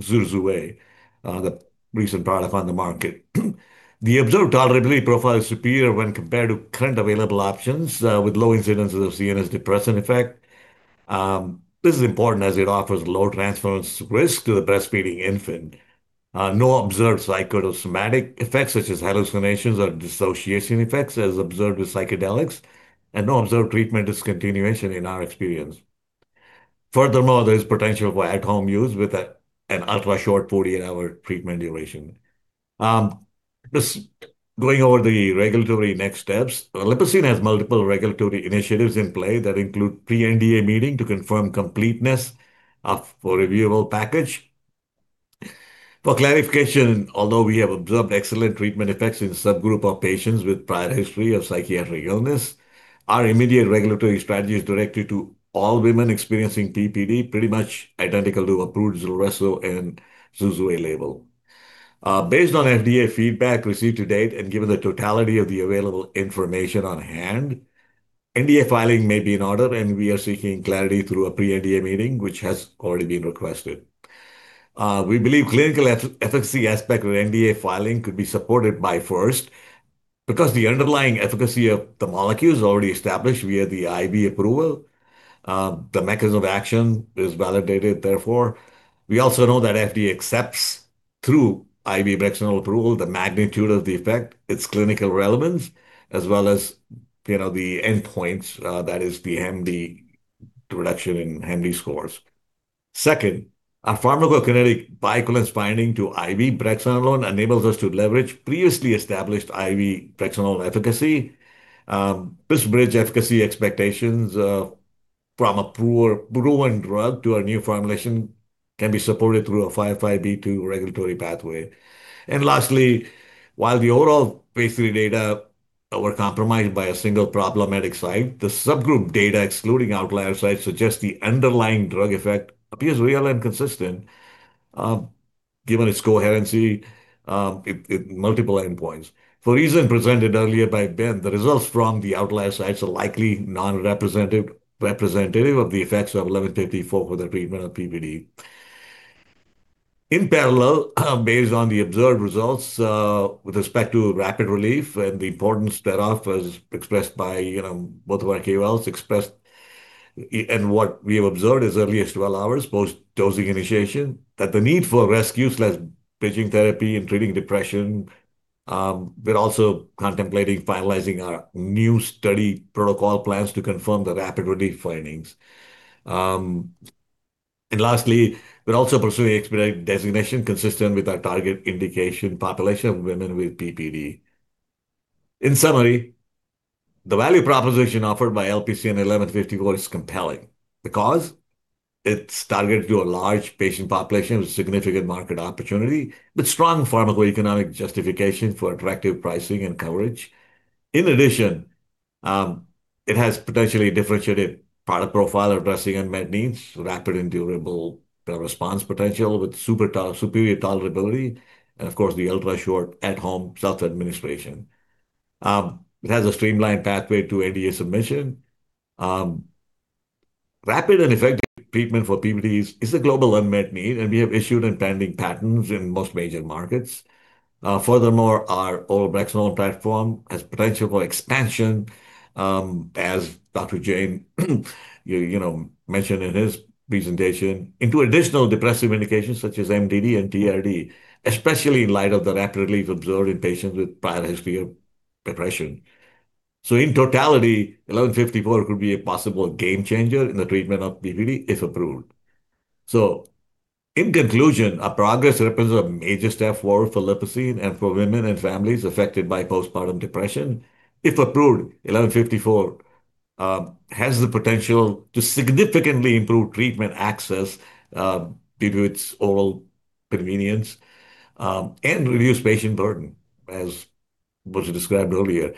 Zurzuvae, the recent product on the market. The observed tolerability profile is superior when compared to current available options, with low incidences of CNS depressant effect. This is important as it offers low transference risk to the breastfeeding infant. No observed psychosomatic effects such as hallucinations or dissociation effects as observed with psychedelics, and no observed treatment discontinuation in our experience. Furthermore, there's potential for at-home use with an ultra short 48-hour treatment duration. Just going over the regulatory next steps. Lipocine has multiple regulatory initiatives in play that include pre-NDA meeting to confirm completeness of a reviewable package. For clarification, although we have observed excellent treatment effects in a subgroup of patients with prior history of psychiatric illness, our immediate regulatory strategy is directed to all women experiencing PPD, pretty much identical to approved Zulresso and Zurzuvae label. Based on FDA feedback received to date and given the totality of the available information on hand, NDA filing may be in order. We are seeking clarity through a pre-NDA meeting, which has already been requested. We believe clinical efficacy aspect of NDA filing could be supported by, first, because the underlying efficacy of the molecule is already established via the IV approval. The mechanism of action is validated, therefore. We also know that FDA accepts through IV brexanolone approval the magnitude of the effect, its clinical relevance, as well as the endpoints, that is the MD reduction in HAM-D scores. Second, a pharmacokinetic bioequivalence binding to IV brexanolone enables us to leverage previously established IV brexanolone efficacy. This bridge efficacy expectations from a proven drug to a new formulation can be supported through a 505(b)(2) regulatory pathway. Lastly, while the oral phase III data were compromised by a single problematic site, the subgroup data excluding outlier sites suggests the underlying drug effect appears real and consistent, given its coherency in multiple endpoints. For reason presented earlier by Ben, the results from the outlier sites are likely non-representative of the effects of 1154 for the treatment of PPD. In parallel, based on the observed results, with respect to rapid relief and the importance thereof, as expressed by both of our KOLs, expressed in what we have observed as early as 12 hours post dosing initiation, that the need for rescue/bridging therapy in treating depression. We're also contemplating finalizing our new study protocol plans to confirm the rapid relief findings. Lastly, we're also pursuing expedited designation consistent with our target indication population of women with PPD. In summary, the value proposition offered by LPCN 1154 is compelling because it's targeted to a large patient population with significant market opportunity, with strong pharmacoeconomic justification for attractive pricing and coverage. In addition, it has potentially differentiated product profile addressing unmet needs, rapid and durable response potential with superior tolerability, and of course, the ultra-short at-home self-administration. It has a streamlined pathway to NDA submission. Rapid and effective treatment for PPD is a global unmet need. We have issued impending patents in most major markets. Furthermore, our oral brexanolone platform has potential for expansion, as Dr. Jain mentioned in his presentation, into additional depressive indications such as MDD and TRD, especially in light of the rapid relief observed in patients with prior history of depression. In totality, 1154 could be a possible game changer in the treatment of PPD if approved. In conclusion, our progress represents a major step forward for Lipocine and for women and families affected by postpartum depression. If approved, 1154 has the potential to significantly improve treatment access, due to its oral convenience, and reduce patient burden, as was described earlier.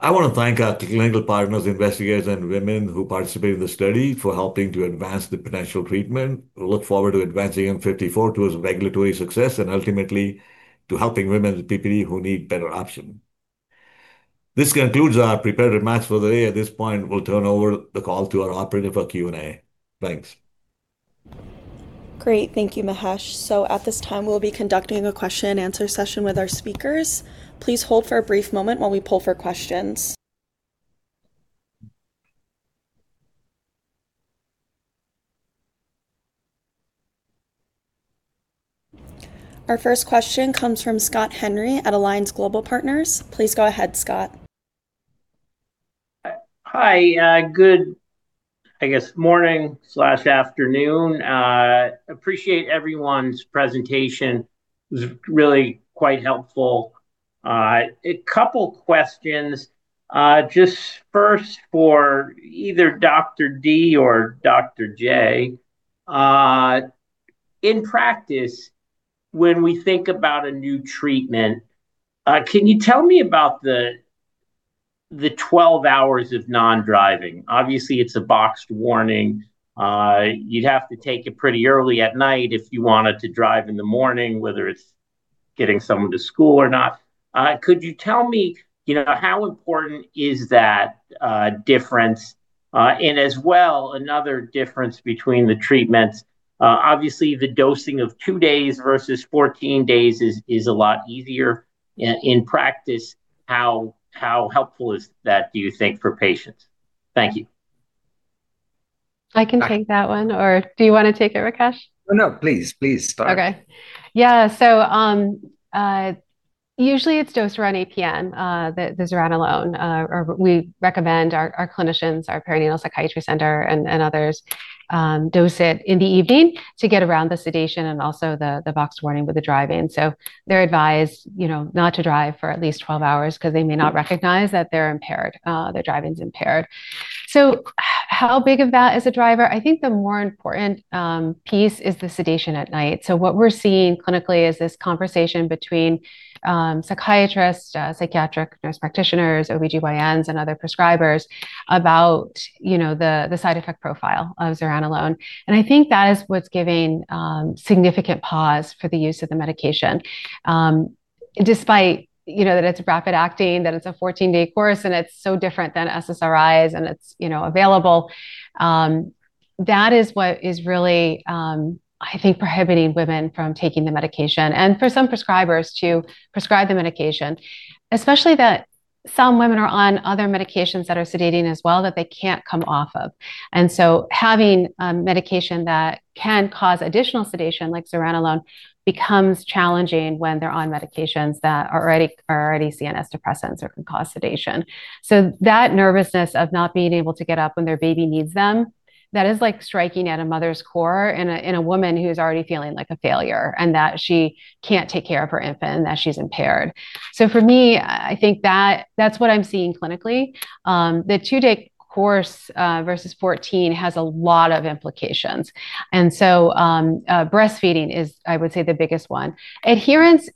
I want to thank our clinical partners, investigators, and women who participated in the study for helping to advance the potential treatment. We look forward to advancing 1154 towards regulatory success and ultimately to helping women with PPD who need better option. This concludes our prepared remarks for the day. At this point, we'll turn over the call to our operator for Q&A. Thanks. Great. Thank you, Mahesh. At this time, we'll be conducting a question and answer session with our speakers. Please hold for a brief moment while we poll for questions. Our first question comes from Scott Henry at Alliance Global Partners. Please go ahead, Scott. Hi. Good, I guess, morning/afternoon. Appreciate everyone's presentation. It was really quite helpful. A couple questions. Just first for either Dr. D or Dr. J. In practice, when we think about a new treatment, can you tell me about the 12 hours of non-driving? Obviously, it's a boxed warning. You'd have to take it pretty early at night if you wanted to drive in the morning, whether it's getting someone to school or not. Could you tell me how important is that difference? As well, another difference between the treatments. Obviously, the dosing of two days versus 14 days is a lot easier. In practice, how helpful is that, do you think, for patients? Thank you. I can take that one. Do you want to take it, Rakesh? No, please. Please start. Okay. Yeah. Usually it's dosed around 8:00 P.M., the zuranolone. We recommend our clinicians, our perinatal psychiatry center, and others dose it in the evening to get around the sedation and also the box warning with the driving. They're advised not to drive for at least 12 hours because they may not recognize that their driving's impaired. How big of that is a driver? I think the more important piece is the sedation at night. What we're seeing clinically is this conversation between psychiatrists, psychiatric nurse practitioners, OBGYNs, and other prescribers about the side effect profile of zuranolone. I think that is what's giving significant pause for the use of the medication. Despite that it's rapid acting, that it's a 14-day course, and it's so different than SSRIs, and it's available, that is what is really, I think, prohibiting women from taking the medication. For some prescribers to prescribe the medication, especially that some women are on other medications that are sedating as well that they can't come off of. Having medication that can cause additional sedation like zuranolone becomes challenging when they're on medications that are already CNS depressants or can cause sedation. That nervousness of not being able to get up when their baby needs them, that is striking at a mother's core in a woman who's already feeling like a failure, and that she can't take care of her infant, and that she's impaired. For me, I think that's what I'm seeing clinically. The two-day course versus 14 has a lot of implications. Breastfeeding is, I would say, the biggest one. Adherence,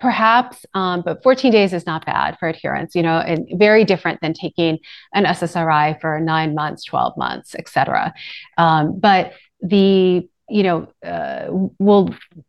perhaps, but 14 days is not bad for adherence. Very different than taking an SSRI for nine months, 12 months, et cetera.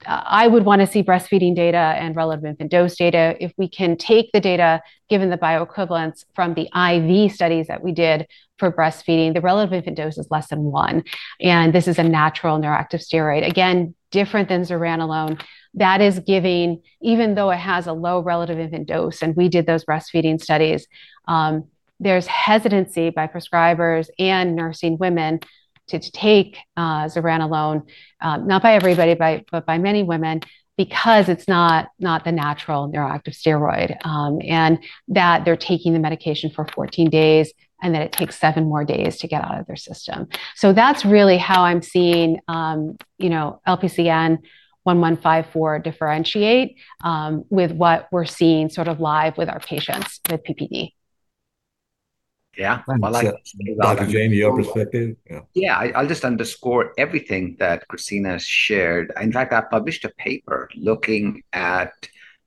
I would want to see breastfeeding data and relative infant dose data. If we can take the data, given the bioequivalence from the IV studies that we did for breastfeeding, the relative infant dose is less than one, and this is a natural neuroactive steroid. Again, different than zuranolone. That is giving, even though it has a low relative infant dose, and we did those breastfeeding studies, there's hesitancy by prescribers and nursing women to take zuranolone. Not by everybody, but by many women, because it's not the natural neuroactive steroid, and that they're taking the medication for 14 days, and that it takes seven more days to get out of their system. That's really how I'm seeing LPCN 1154 differentiate with what we're seeing sort of live with our patients with PPD. Yeah. Well. Dr. Jain, your perspective? Yeah. I'll just underscore everything that Kristina has shared. In fact, I published a paper looking at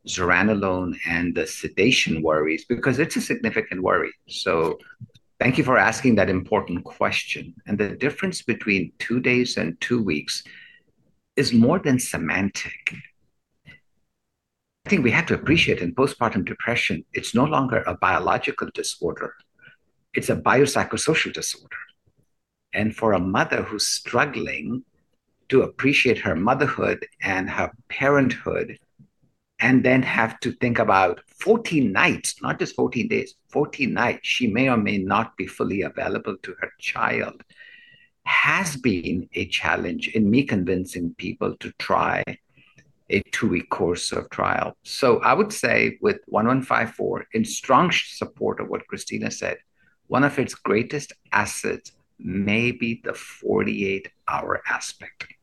zuranolone and the sedation worries, because it's a significant worry. Thank you for asking that important question. The difference between two days and two weeks is more than semantic. I think we have to appreciate in postpartum depression, it's no longer a biological disorder, it's a biopsychosocial disorder. For a mother who's struggling to appreciate her motherhood and her parenthood, then have to think about 14 nights, not just 14 days, 14 nights she may or may not be fully available to her child, has been a challenge in me convincing people to try a two-week course of trial. I would say with 1154, in strong support of what Kristina said, one of its greatest assets may be the 48-hour aspect.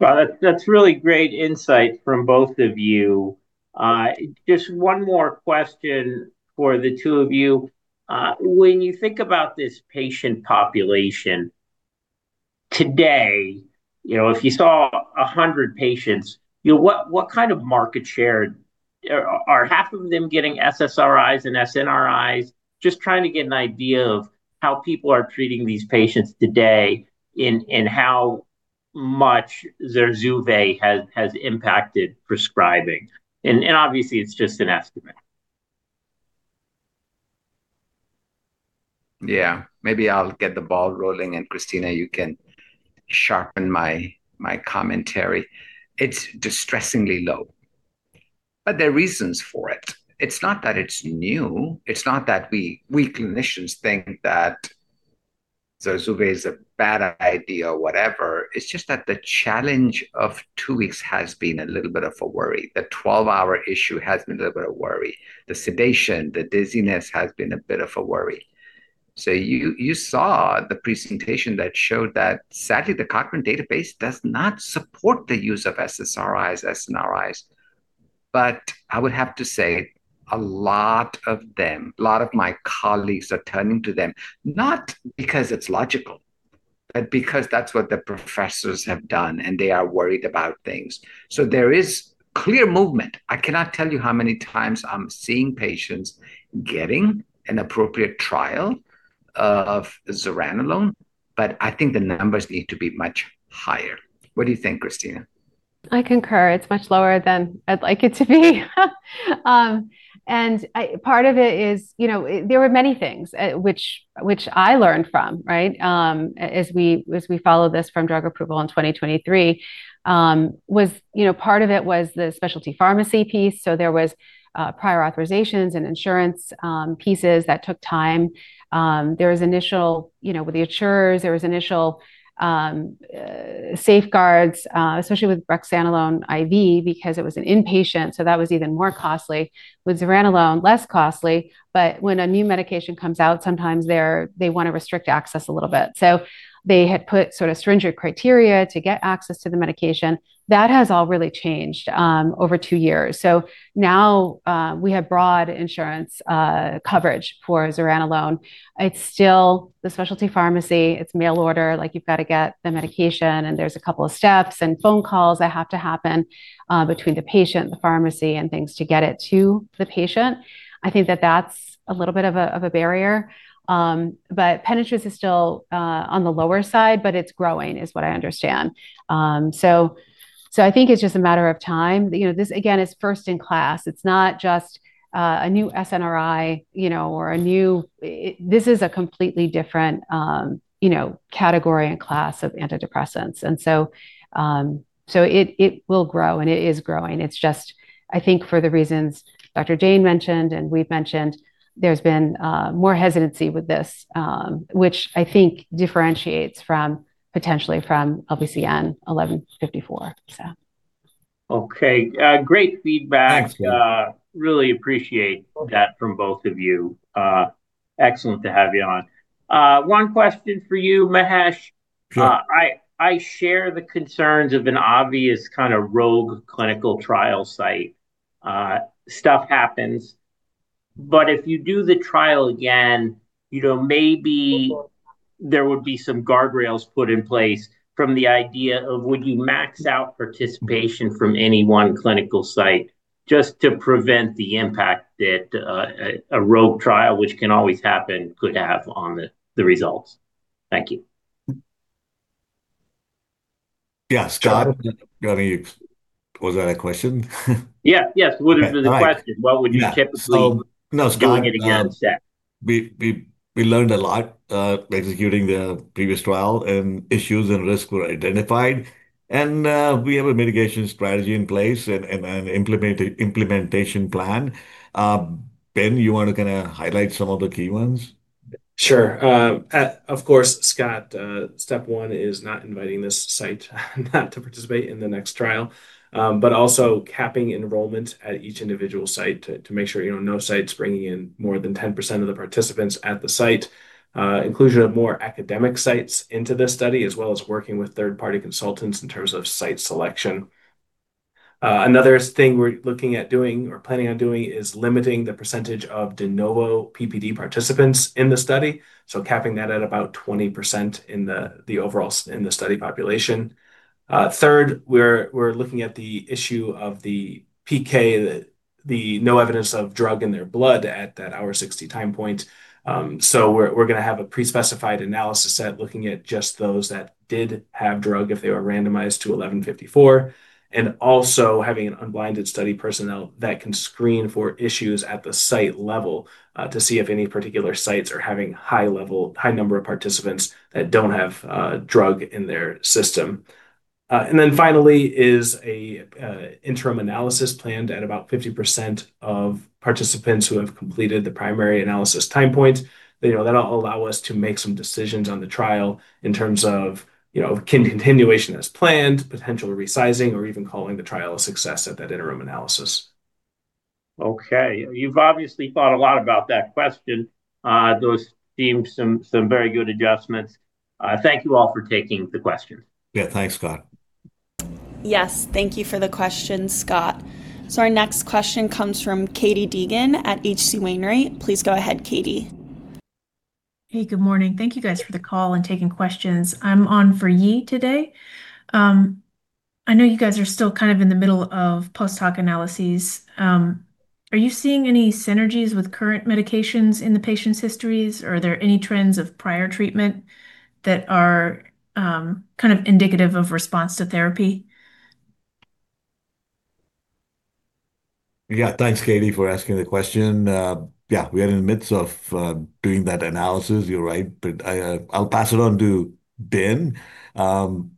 That's really great insight from both of you. Just one more question for the two of you. When you think about this patient population today, if you saw 100 patients, what kind of market share? Are half of them getting SSRIs and SNRIs? Just trying to get an idea of how people are treating these patients today and how much Zurzuvae has impacted prescribing. Obviously, it's just an estimate. Yeah. Maybe I'll get the ball rolling, Kristina, you can sharpen my commentary. It's distressingly low. There are reasons for it. It's not that it's new. It's not that we clinicians think that Zurzuvae is a bad idea or whatever. It's justice that the challenge of two weeks has been a little bit of a worry. The 12-hour issue has been a little bit of worry. The sedation, the dizziness has been a bit of a worry. You saw the presentation that showed that sadly, the Cochrane Database does not support the use of SSRIs, SNRIs. But I would have to say a lot of them, a lot of my colleagues are turning to them, not because it's logical, but because that's what the professors have done, and they are worried about things. There is clear movement. I cannot tell you how many times I'm seeing patients getting an appropriate trial of zuranolone, but I think the numbers need to be much higher. What do you think, Kristina? I concur. It's much lower than I'd like it to be. Part of it is, there were many things which I learned from, as we follow this from drug approval in 2023. Part of it was the specialty pharmacy piece, there was prior authorizations and insurance pieces that took time. With the insurers, there was initial safeguards, especially with brexanolone IV, because it was an inpatient, that was even more costly. With zuranolone, less costly, but when a new medication comes out, sometimes they want to restrict access a little bit. They had put sort of stringent criteria to get access to the medication. That has all really changed over two years. Now, we have broad insurance coverage for zuranolone. It's still the specialty pharmacy, it's mail order. You've got to get the medication, and there's a couple of steps and phone calls that have to happen between the patient and the pharmacy and things to get it to the patient. I think that that's a little bit of a barrier. Penetrance is still on the lower side, but it's growing is what I understand. I think it's just a matter of time. This, again, is first in class. It's not just a new SNRI. This is a completely different category and class of antidepressants. It will grow, and it is growing. It's just, I think for the reasons Dr. Jain mentioned and we've mentioned, there's been more hesitancy with this, which I think differentiates potentially from LPCN 1154. Okay. Great feedback. Thanks. Really appreciate that from both of you. Excellent to have you on. One question for you, Mahesh. Sure. I share the concerns of an obvious rogue clinical trial site. Stuff happens. If you do the trial again, maybe there would be some guardrails put in place from the idea of would you max out participation from any one clinical site just to prevent the impact that a rogue trial, which can always happen, could have on the results. Thank you. Yeah. Scott? Was that a question? Yeah. Yes. What is the question? What would you typically- No. Scott- Doing it again, yeah. We learned a lot executing the previous trial, and issues and risk were identified. We have a mitigation strategy in place and an implementation plan. Ben, you want to highlight some of the key ones? Sure. Of course, Scott, step one is not inviting this site not to participate in the next trial. Also capping enrollment at each individual site to make sure no site's bringing in more than 10% of the participants at the site. Inclusion of more academic sites into this study, as well as working with third-party consultants in terms of site selection. Another thing we're looking at doing or planning on doing is limiting the percentage of de novo PPD participants in the study, so capping that at about 20% in the study population. Third, we're looking at the issue of the PK, the no evidence of drug in their blood at that hour 60 time point. We're going to have a pre-specified analysis set looking at just those that did have drug if they were randomized to 1154. Also having unblinded study personnel that can screen for issues at the site level to see if any particular sites are having high number of participants that don't have drug in their system. Finally is a interim analysis planned at about 50% of participants who have completed the primary analysis time point. That'll allow us to make some decisions on the trial in terms of continuation as planned, potential resizing, or even calling the trial a success at that interim analysis. Okay. You've obviously thought a lot about that question. Those seem some very good adjustments. Thank you all for taking the question. Thanks, Scott. Thank you for the question, Scott. Our next question comes from Katie Deegan at H.C. Wainwright. Please go ahead, Katie. Hey, good morning. Thank you guys for the call and taking questions. I'm on for Yee today. I know you guys are still in the middle of post-hoc analyses. Are you seeing any synergies with current medications in the patients' histories? Are there any trends of prior treatment that are indicative of response to therapy? Thanks, Katie, for asking the question. We are in the midst of doing that analysis, you're right. I'll pass it on to Ben. Do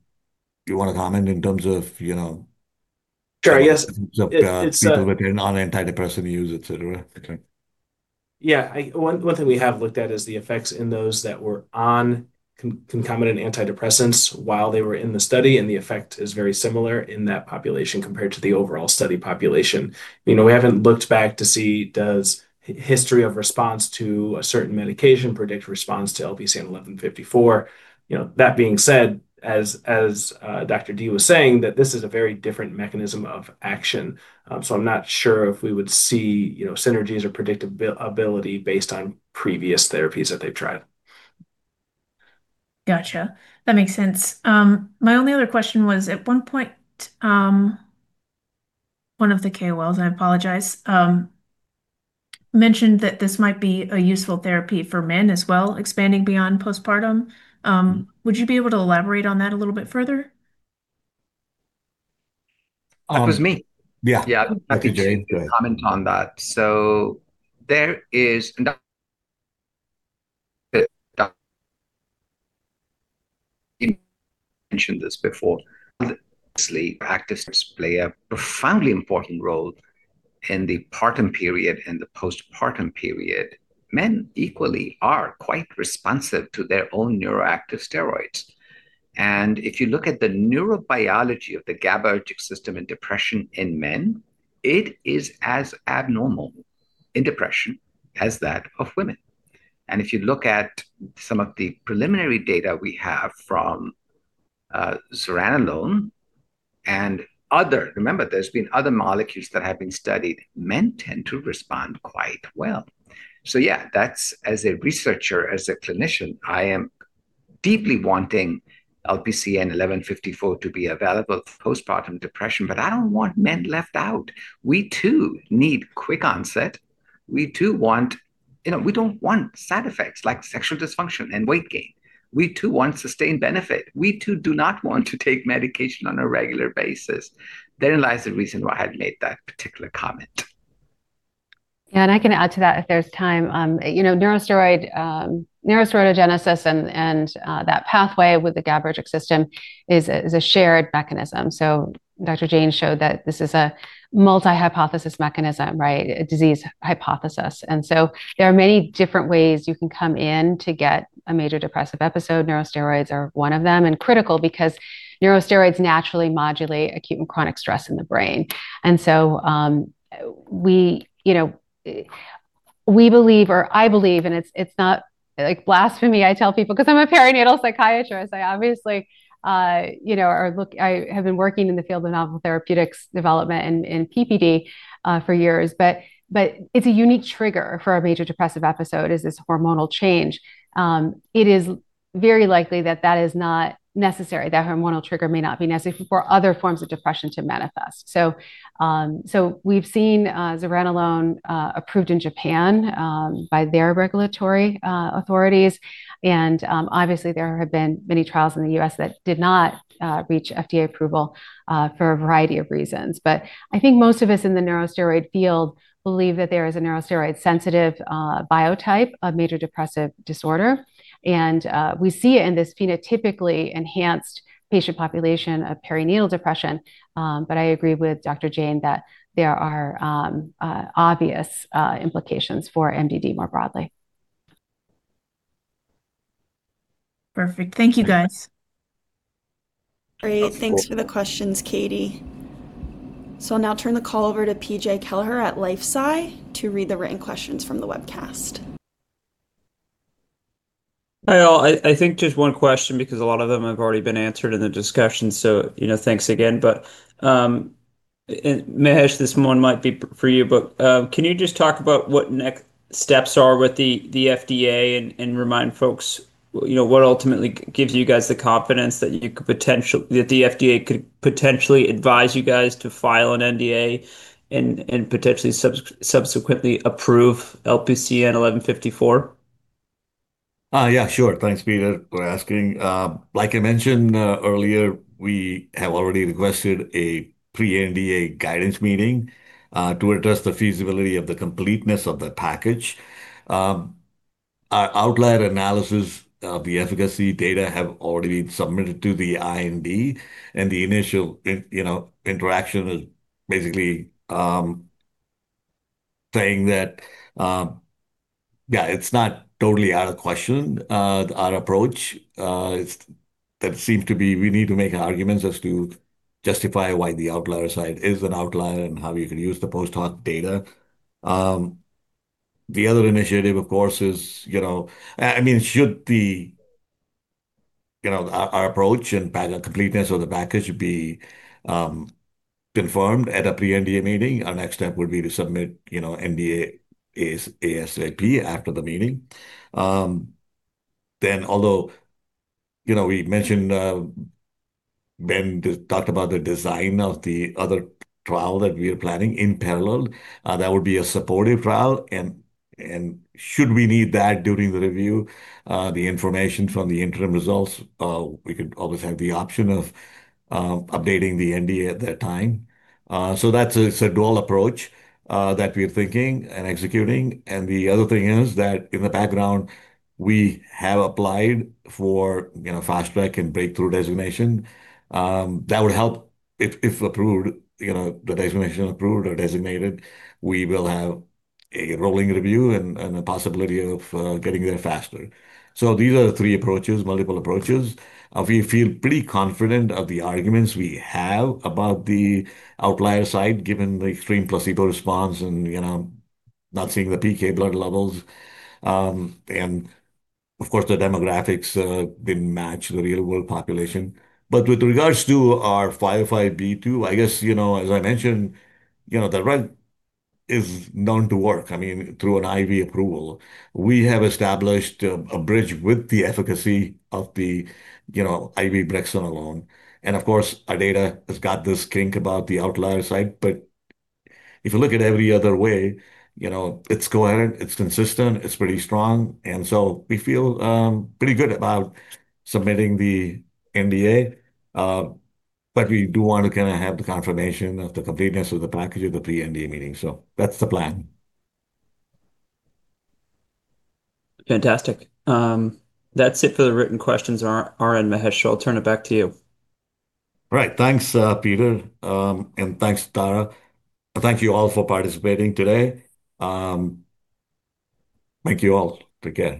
you want to comment in terms of- Sure. Yeah. People that are on antidepressant use, et cetera? Okay. Yeah. One thing we have looked at is the effects in those that were on concomitant antidepressants while they were in the study, and the effect is very similar in that population compared to the overall study population. We haven't looked back to see does history of response to a certain medication predict response to LPCN 1154. That being said, as Dr. Dee was saying, that this is a very different mechanism of action. I'm not sure if we would see synergies or predictability based on previous therapies that they've tried. Got you. That makes sense. My only other question was, at one point. One of the KOLs, I apologize, mentioned that this might be a useful therapy for men as well, expanding beyond postpartum. Would you be able to elaborate on that a little bit further? That was me. Yeah. Yeah. Dr. Jain, go ahead. I can comment on that. There is, and you mentioned this before, obviously, placenta plays a profoundly important role in the partum period and the postpartum period. Men equally are quite responsive to their own neuroactive steroids. If you look at the neurobiology of the GABAergic system in depression in men, it is as abnormal in depression as that of women. If you look at some of the preliminary data we have from zuranolone and other, remember, there's been other molecules that have been studied, men tend to respond quite well. Yeah, that's as a researcher, as a clinician, I am deeply wanting LPCN 1154 to be available for postpartum depression, I don't want men left out. We too need quick onset. We don't want side effects like sexual dysfunction and weight gain. We too want sustained benefit. We too do not want to take medication on a regular basis. Therein lies the reason why I had made that particular comment. Yeah. I can add to that if there's time. Neurosteroidogenesis and that pathway with the GABAergic system is a shared mechanism. Dr. Jain showed that this is a multi-hypothesis mechanism, right? A disease hypothesis. There are many different ways you can come in to get a major depressive episode. Neurosteroids are one of them, and critical because neurosteroids naturally modulate acute and chronic stress in the brain. We believe, or I believe, and it's not blasphemy, I tell people, because I'm a perinatal psychiatrist, I have been working in the field of novel therapeutics development and PPD for years, but it's a unique trigger for a major depressive episode is this hormonal change. It is very likely that that is not necessary, that hormonal trigger may not be necessary for other forms of depression to manifest. We've seen zuranolone approved in Japan by their regulatory authorities. Obviously, there have been many trials in the U.S. that did not reach FDA approval for a variety of reasons. I think most of us in the neurosteroid field believe that there is a neurosteroid sensitive biotype of major depressive disorder. We see it in this phenotypically enhanced patient population of perinatal depression. I agree with Dr. Jain that there are obvious implications for MDD more broadly. Perfect. Thank you, guys. Of course. Great. Thanks for the questions, Katie. I'll now turn the call over to PJ Kelleher at LifeSci to read the written questions from the webcast. Hi, all. I think just one question because a lot of them have already been answered in the discussion. Thanks again. Mahesh, this one might be for you. Can you just talk about what next steps are with the FDA and remind folks what ultimately gives you guys the confidence that the FDA could potentially advise you guys to file an NDA and potentially subsequently approve LPCN 1154? Sure. Thanks, Peter, for asking. I mentioned earlier, we have already requested a pre-NDA guidance meeting to address the feasibility of the completeness of the package. Our outlier analysis of the efficacy data have already been submitted to the IND, and the initial interaction is basically saying that, it's not totally out of question, our approach. That seems to be we need to make arguments as to justify why the outlier site is an outlier and how you could use the post hoc data. The other initiative, of course, is should our approach and completeness of the package be confirmed at a pre-NDA meeting, our next step would be to submit NDA ASAP after the meeting. Although Ben talked about the design of the other trial that we are planning in parallel, that would be a supportive trial, and should we need that during the review, the information from the interim results, we could always have the option of updating the NDA at that time. That's a dual approach that we are thinking and executing. The other thing is that in the background, we have applied for fast track and breakthrough designation. That would help if the designation approved or designated, we will have a rolling review and a possibility of getting there faster. These are the three approaches, multiple approaches. We feel pretty confident of the arguments we have about the outlier site, given the extreme placebo response and not seeing the PK blood levels. Of course, the demographics didn't match the real world population. With regards to our 505(b)(2), I guess, as I mentioned, the drug is known to work. I mean, through an IV approval. We have established a bridge with the efficacy of the IV brexanolone. Of course, our data has got this kink about the outlier site. If you look at every other way, it's coherent, it's consistent, it's pretty strong. We feel pretty good about submitting the NDA. We do want to have the confirmation of the completeness of the package of the pre-NDA meeting. That's the plan. Fantastic. That's it for the written questions. Mahesh, I'll turn it back to you. Right. Thanks, Peter. Thanks, Tara. Thank you all for participating today. Thank you all again